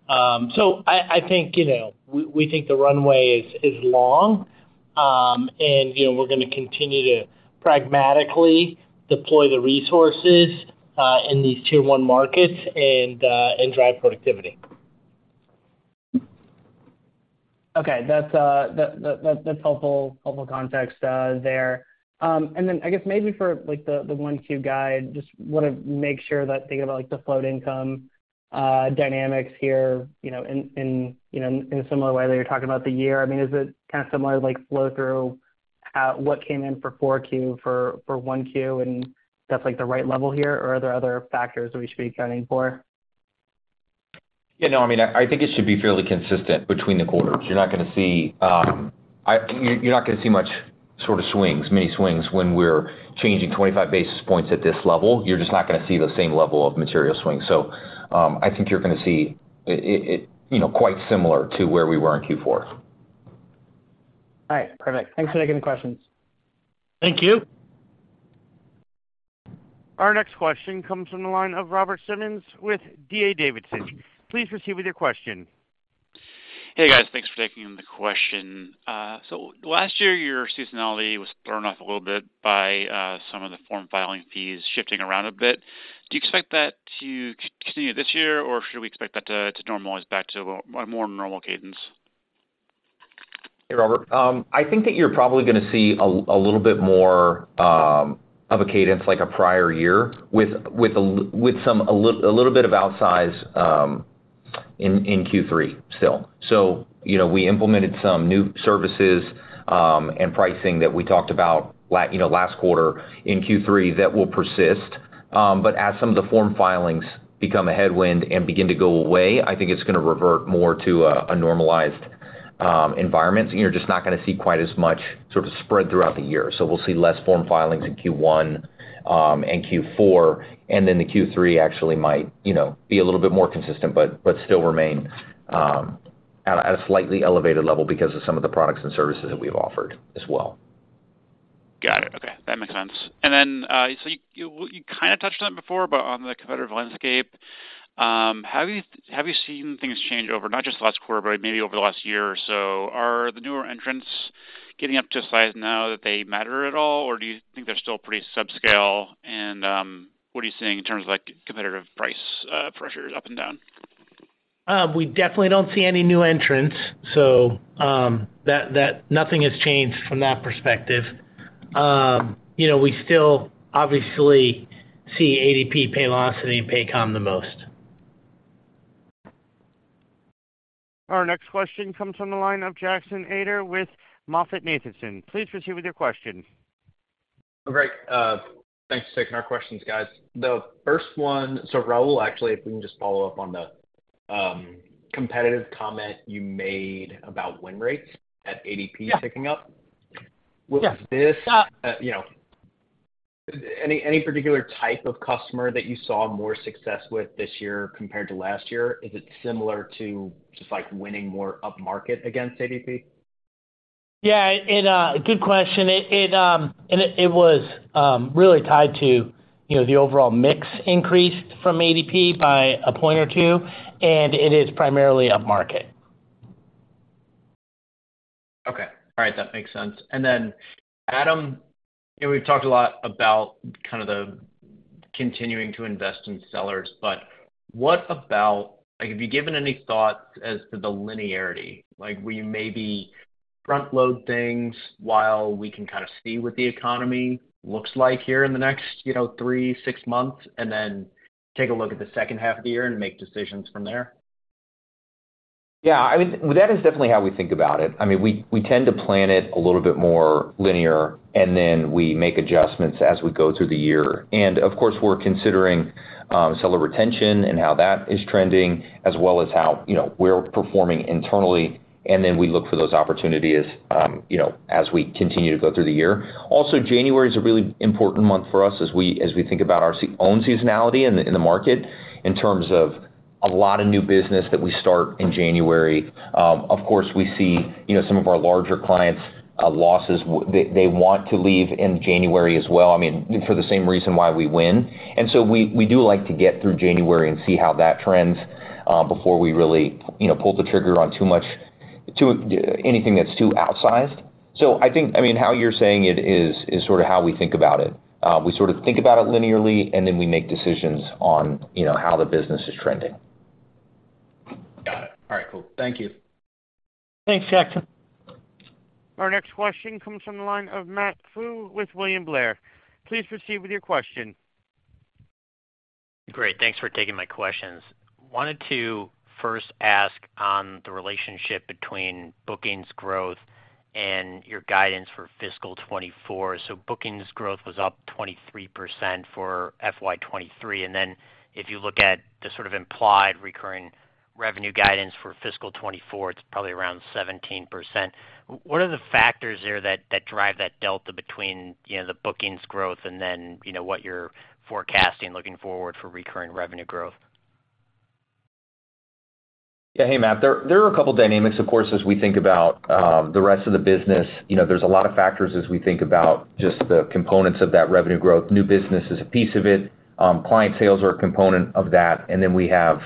I, I think, you know, we, we think the runway is, is long, and, you know, we're going to continue to pragmatically deploy the resources, in these Tier one markets and, and drive productivity. Okay. That's that, that, that's helpful, helpful context there. Then I guess maybe for, like, thecQ1 guide, just want to make sure that thinking about, like, the float income... dynamics here, you know, in, in, you know, in a similar way that you're talking about the year. I mean, is it kind of similar, like, flow through at what came in for 4 Q for, for Q1, and that's, like, the right level here? Or are there other factors that we should be accounting for? Yeah, no, I mean, I think it should be fairly consistent between the quarters. You're not gonna see, you're, you're not gonna see much sort of swings, many swings when we're changing 25 basis points at this level. You're just not gonna see the same level of material swing. I think you're gonna see it, it, you know, quite similar to where we were in Q4. All right, perfect. Thanks for taking the questions. Thank you. Our next question comes from the line of Robert Simmons with D.A. Davidson. Please proceed with your question. Hey, guys. Thanks for taking the question. Last year, your seasonality was thrown off a little bit by some of the form filing fees shifting around a bit. Do you expect that to continue this year, or should we expect that to normalize back to a more normal cadence? Hey, Robert. I think that you're probably gonna see a little bit more of a cadence like a prior year, with some, a little bit of outsize in Q3 still. You know, we implemented some new services and pricing that we talked about you know, last quarter in Q3, that will persist. But as some of the form filings become a headwind and begin to go away, I think it's gonna revert more to a normalized environment. You're just not gonna see quite as much sort of spread throughout the year. We'll see less form filings in Q1, and Q4, and then the Q3 actually might, you know, be a little bit more consistent, but still remain at a slightly elevated level because of some of the products and services that we've offered as well. Got it. Okay, that makes sense. Then, so you, you kind of touched on it before, but on the competitive landscape, have you, have you seen things change over, not just the last quarter, but maybe over the last year or so? Are the newer entrants getting up to a size now that they matter at all, or do you think they're still pretty subscale? What are you seeing in terms of, like, competitive price, pressures up and down? We definitely don't see any new entrants, so nothing has changed from that perspective. You know, we still obviously see ADP, Paylocity, and Paycom the most. Our next question comes from the line of Jackson Ader with MoffettNathanson. Please proceed with your question. Great. thanks for taking our questions, guys. The first one... Raul, actually, if we can just follow up on the competitive comment you made about win rates at ADP... Yeah. picking up. Yeah. Was this, you know, any, any particular type of customer that you saw more success with this year compared to last year? Is it similar to just, like, winning more upmarket against ADP? Yeah, and good question. It was really tied to, you know, the overall mix increased from ADP by a point or two, and it is primarily upmarket. Okay, all right, that makes sense. Then, Adam, you know, we've talked a lot about kind of the continuing to invest in sellers, but what about... Like, have you given any thought as to the linearity? Like, we maybe front-load things while we can kind of see what the economy looks like here in the next, you know, three, six months, and then take a look at the second half of the year and make decisions from there. Yeah, I mean, that is definitely how we think about it. I mean, we, we tend to plan it a little bit more linear, and then we make adjustments as we go through the year. Of course, we're considering seller retention and how that is trending, as well as how, you know, we're performing internally, and then we look for those opportunities, you know, as we continue to go through the year. January is a really important month for us as we, as we think about our own seasonality in the, in the market in terms of a lot of new business that we start in January. Of course, we see, you know, some of our larger clients, losses. They, they want to leave in January as well, I mean, for the same reason why we win. We, we do like to get through January and see how that trends, before we really, you know, pull the trigger on too much. To anything that's too outsized. I think, I mean, how you're saying it is, is sort of how we think about it. We sort of think about it linearly, and then we make decisions on, you know, how the business is trending. Got it. All right, cool. Thank you. Thanks, Jackson. Our next question comes from the line of Matt Pfau with William Blair. Please proceed with your question. Great. Thanks for taking my questions. Wanted to first ask on the relationship between bookings growth and your guidance for fiscal 2024. Bookings growth was up 23% for FY23, and then if you look at the sort of implied recurring revenue guidance for fiscal 2024, it's probably around 17%. What are the factors there that, that drive that delta between, you know, the bookings growth and then, you know, what you're forecasting looking forward for recurring revenue growth? Yeah. Hey, Matt. There, there are a couple dynamics, of course, as we think about the rest of the business. You know, there's a lot of factors as we think about just the components of that revenue growth. New business is a piece of it, client sales are a component of that, and then we have,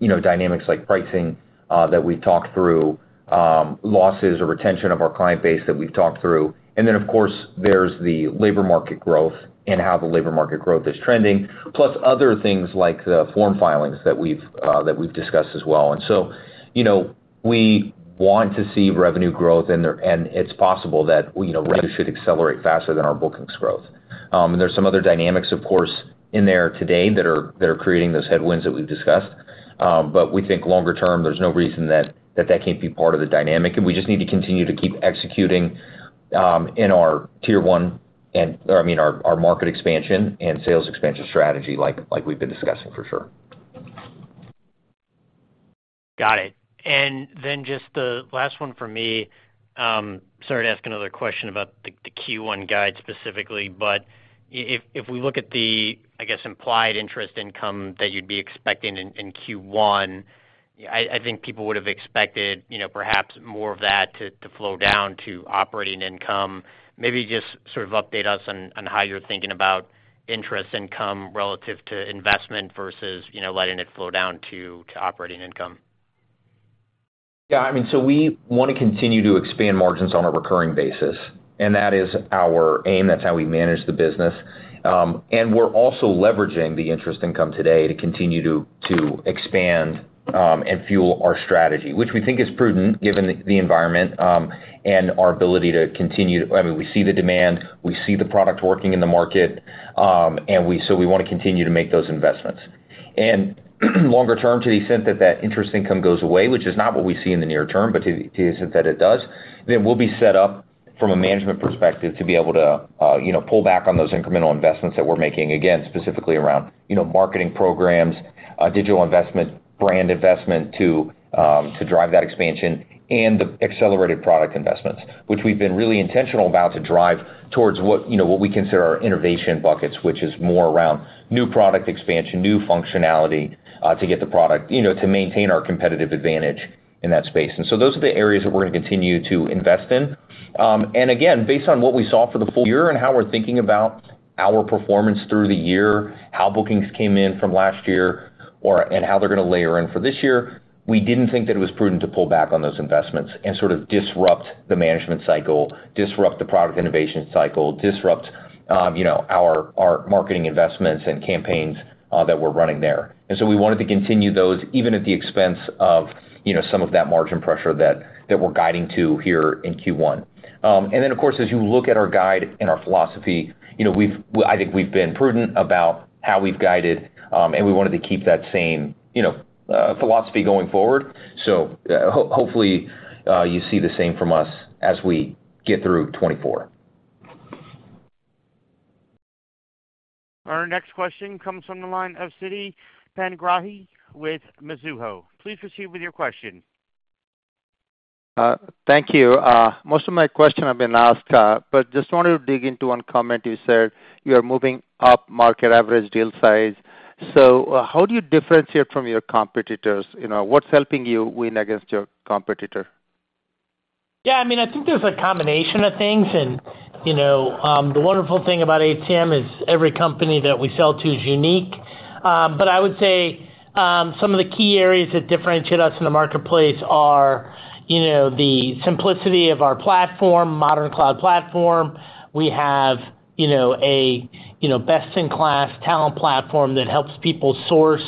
you know, dynamics like pricing that we've talked through, losses or retention of our client base that we've talked through. Of course, there's the labor market growth and how the labor market growth is trending, plus other things like the form filings that we've that we've discussed as well. You know, we want to see revenue growth in there, and it's possible that, you know, revenue should accelerate faster than our bookings growth. There's some other dynamics, of course, in there today that are, that are creating those headwinds that we've discussed. We think longer term, there's no reason that, that can't be part of the dynamic, and we just need to continue to keep executing, in our Tier one and, or I mean, our, our market expansion and sales expansion strategy, like, like we've been discussing, for sure. Got it. Then just the last one for me, sorry to ask another question about the, the Q1 guide specifically, but if, if we look at the, I guess, implied interest income that you'd be expecting in, in Q1, I, I think people would have expected, you know, perhaps more of that to, to flow down to operating income. Maybe just sort of update us on, on how you're thinking about interest income relative to investment versus, you know, letting it flow down to, to operating income. Yeah, I mean, we want to continue to expand margins on a recurring basis, and that is our aim. That's how we manage the business. We're also leveraging the interest income today to continue to expand and fuel our strategy, which we think is prudent, given the environment. I mean, we see the demand, we see the product working in the market. We wanna continue to make those investments. Longer term, to the extent that that interest income goes away, which is not what we see in the near term, but to the extent that it does, then we'll be set up from a management perspective to be able to, you know, pull back on those incremental investments that we're making, again, specifically around, you know, marketing programs, digital investment, brand investment, to drive that expansion and the accelerated product investments, which we've been really intentional about to drive towards what, you know, what we consider our innovation buckets, which is more around new product expansion, new functionality, to get the product, you know, to maintain our competitive advantage in that space. So those are the areas that we're gonna continue to invest in. Again, based on what we saw for the full year and how we're thinking about our performance through the year, how bookings came in from last year, or and how they're gonna layer in for this year, we didn't think that it was prudent to pull back on those investments and sort of disrupt the management cycle, disrupt the product innovation cycle, disrupt, you know, our, our marketing investments and campaigns that we're running there. So we wanted to continue those, even at the expense of, you know, some of that margin pressure that, that we're guiding to here in Q1. Then, of course, as you look at our guide and our philosophy, you know, we've. I think we've been prudent about how we've guided, and we wanted to keep that same, you know, philosophy going forward. Hopefully, you see the same from us as we get through 2024. Our next question comes from the line of Sitikantha Panigrahi with Mizuho. Please proceed with your question. Thank you. Most of my questions have been asked, but just wanted to dig into one comment. You said you are moving up market average deal size. How do you differentiate from your competitors? You know, what's helping you win against your competitor? Yeah, I mean, I think there's a combination of things. You know, the wonderful thing about HCM is every company that we sell to is unique. I would say, some of the key areas that differentiate us in the marketplace are, you know, the simplicity of our platform, modern cloud platform. We have, you know, a, you know, best-in-class talent platform that helps people source,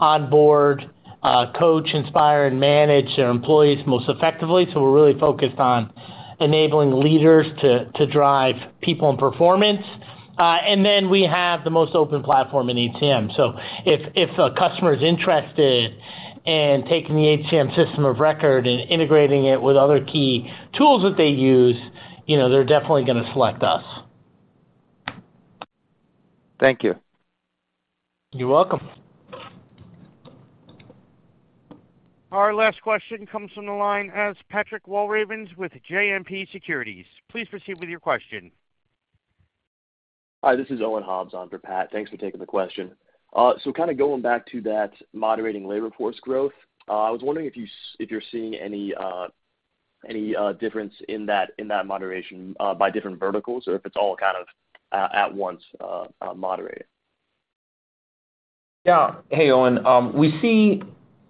onboard, coach, inspire, and manage their employees most effectively. We're really focused on enabling leaders to, to drive people and performance. Then we have the most open platform in HCM. If, if a customer is interested in taking the HCM system of record and integrating it with other key tools that they use, you know, they're definitely gonna select us. Thank you. You're welcome. Our last question comes from the line as Patrick Walravens with JMP Securities. Please proceed with your question. Hi, this is Owen Hobbs on for Pat. Thanks for taking the question. Kind of going back to that moderating labor force growth, I was wondering if you're seeing any difference in that, in that moderation, by different verticals, or if it's all kind of at once moderated? Yeah. Hey, Owen. We see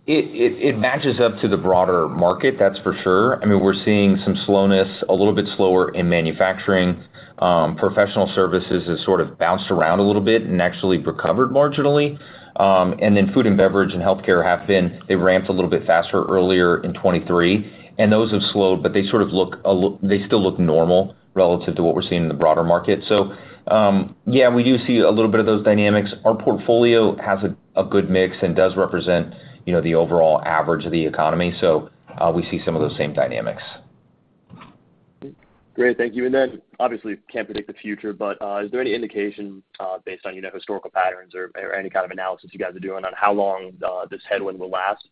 it, it, it matches up to the broader market, that's for sure. I mean, we're seeing some slowness, a little bit slower in manufacturing. Professional services has sort of bounced around a little bit and actually recovered marginally. Then food and beverage and healthcare have been. They ramped a little bit faster earlier in 2023, and those have slowed, but they sort of look they still look normal relative to what we're seeing in the broader market. Yeah, we do see a little bit of those dynamics. Our portfolio has a, a good mix and does represent, you know, the overall average of the economy, so, we see some of those same dynamics. Great. Thank you. Obviously, can't predict the future, but is there any indication, based on, you know, historical patterns or, or any kind of analysis you guys are doing on how long this headwind will last?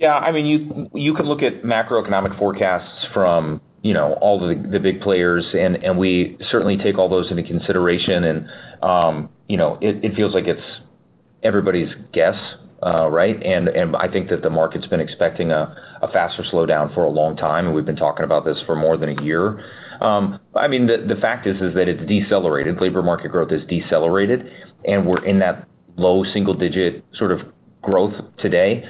Yeah, I mean, you, you could look at macroeconomic forecasts from, you know, all the, the big players, and we certainly take all those into consideration. You know, it, it feels like it's everybody's guess, right? I think that the market's been expecting a, a faster slowdown for a long time, and we've been talking about this for more than a year. I mean, the, the fact is, is that it's decelerated. Labor market growth has decelerated, and we're in that low single digit sort of growth today.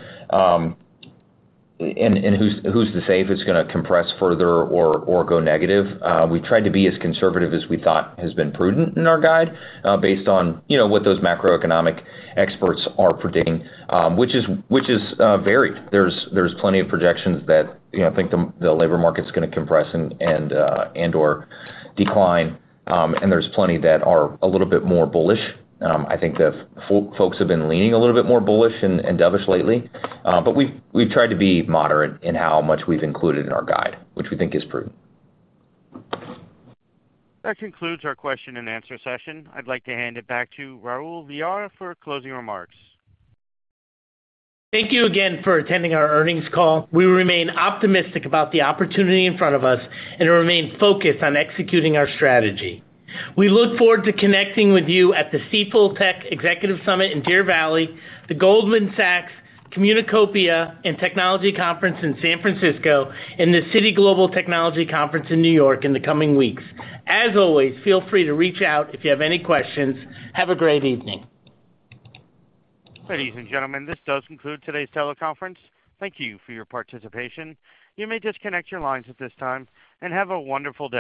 Who's, who's to say if it's gonna compress further or, or go negative? We tried to be as conservative as we thought has been prudent in our guide, based on, you know, what those macroeconomic experts are predicting, which is, which is, varied. There's, there's plenty of projections that, you know, think the, the labor market's gonna compress and, and, and/or decline, there's plenty that are a little bit more bullish. I think the folks have been leaning a little bit more bullish and, and dovish lately, we've, we've tried to be moderate in how much we've included in our guide, which we think is prudent. That concludes our question and answer session. I'd like to hand it back to Raul Villar for closing remarks. Thank you again for attending our earnings call. We remain optimistic about the opportunity in front of us and remain focused on executing our strategy. We look forward to connecting with you at the Stifel Tech Executive Summit in Deer Valley, the Goldman Sachs Communacopia and Technology Conference in San Francisco, and the Citi Global Technology Conference in New York in the coming weeks. As always, feel free to reach out if you have any questions. Have a great evening. Ladies and gentlemen, this does conclude today's teleconference. Thank you for your participation. You may disconnect your lines at this time, and have a wonderful day.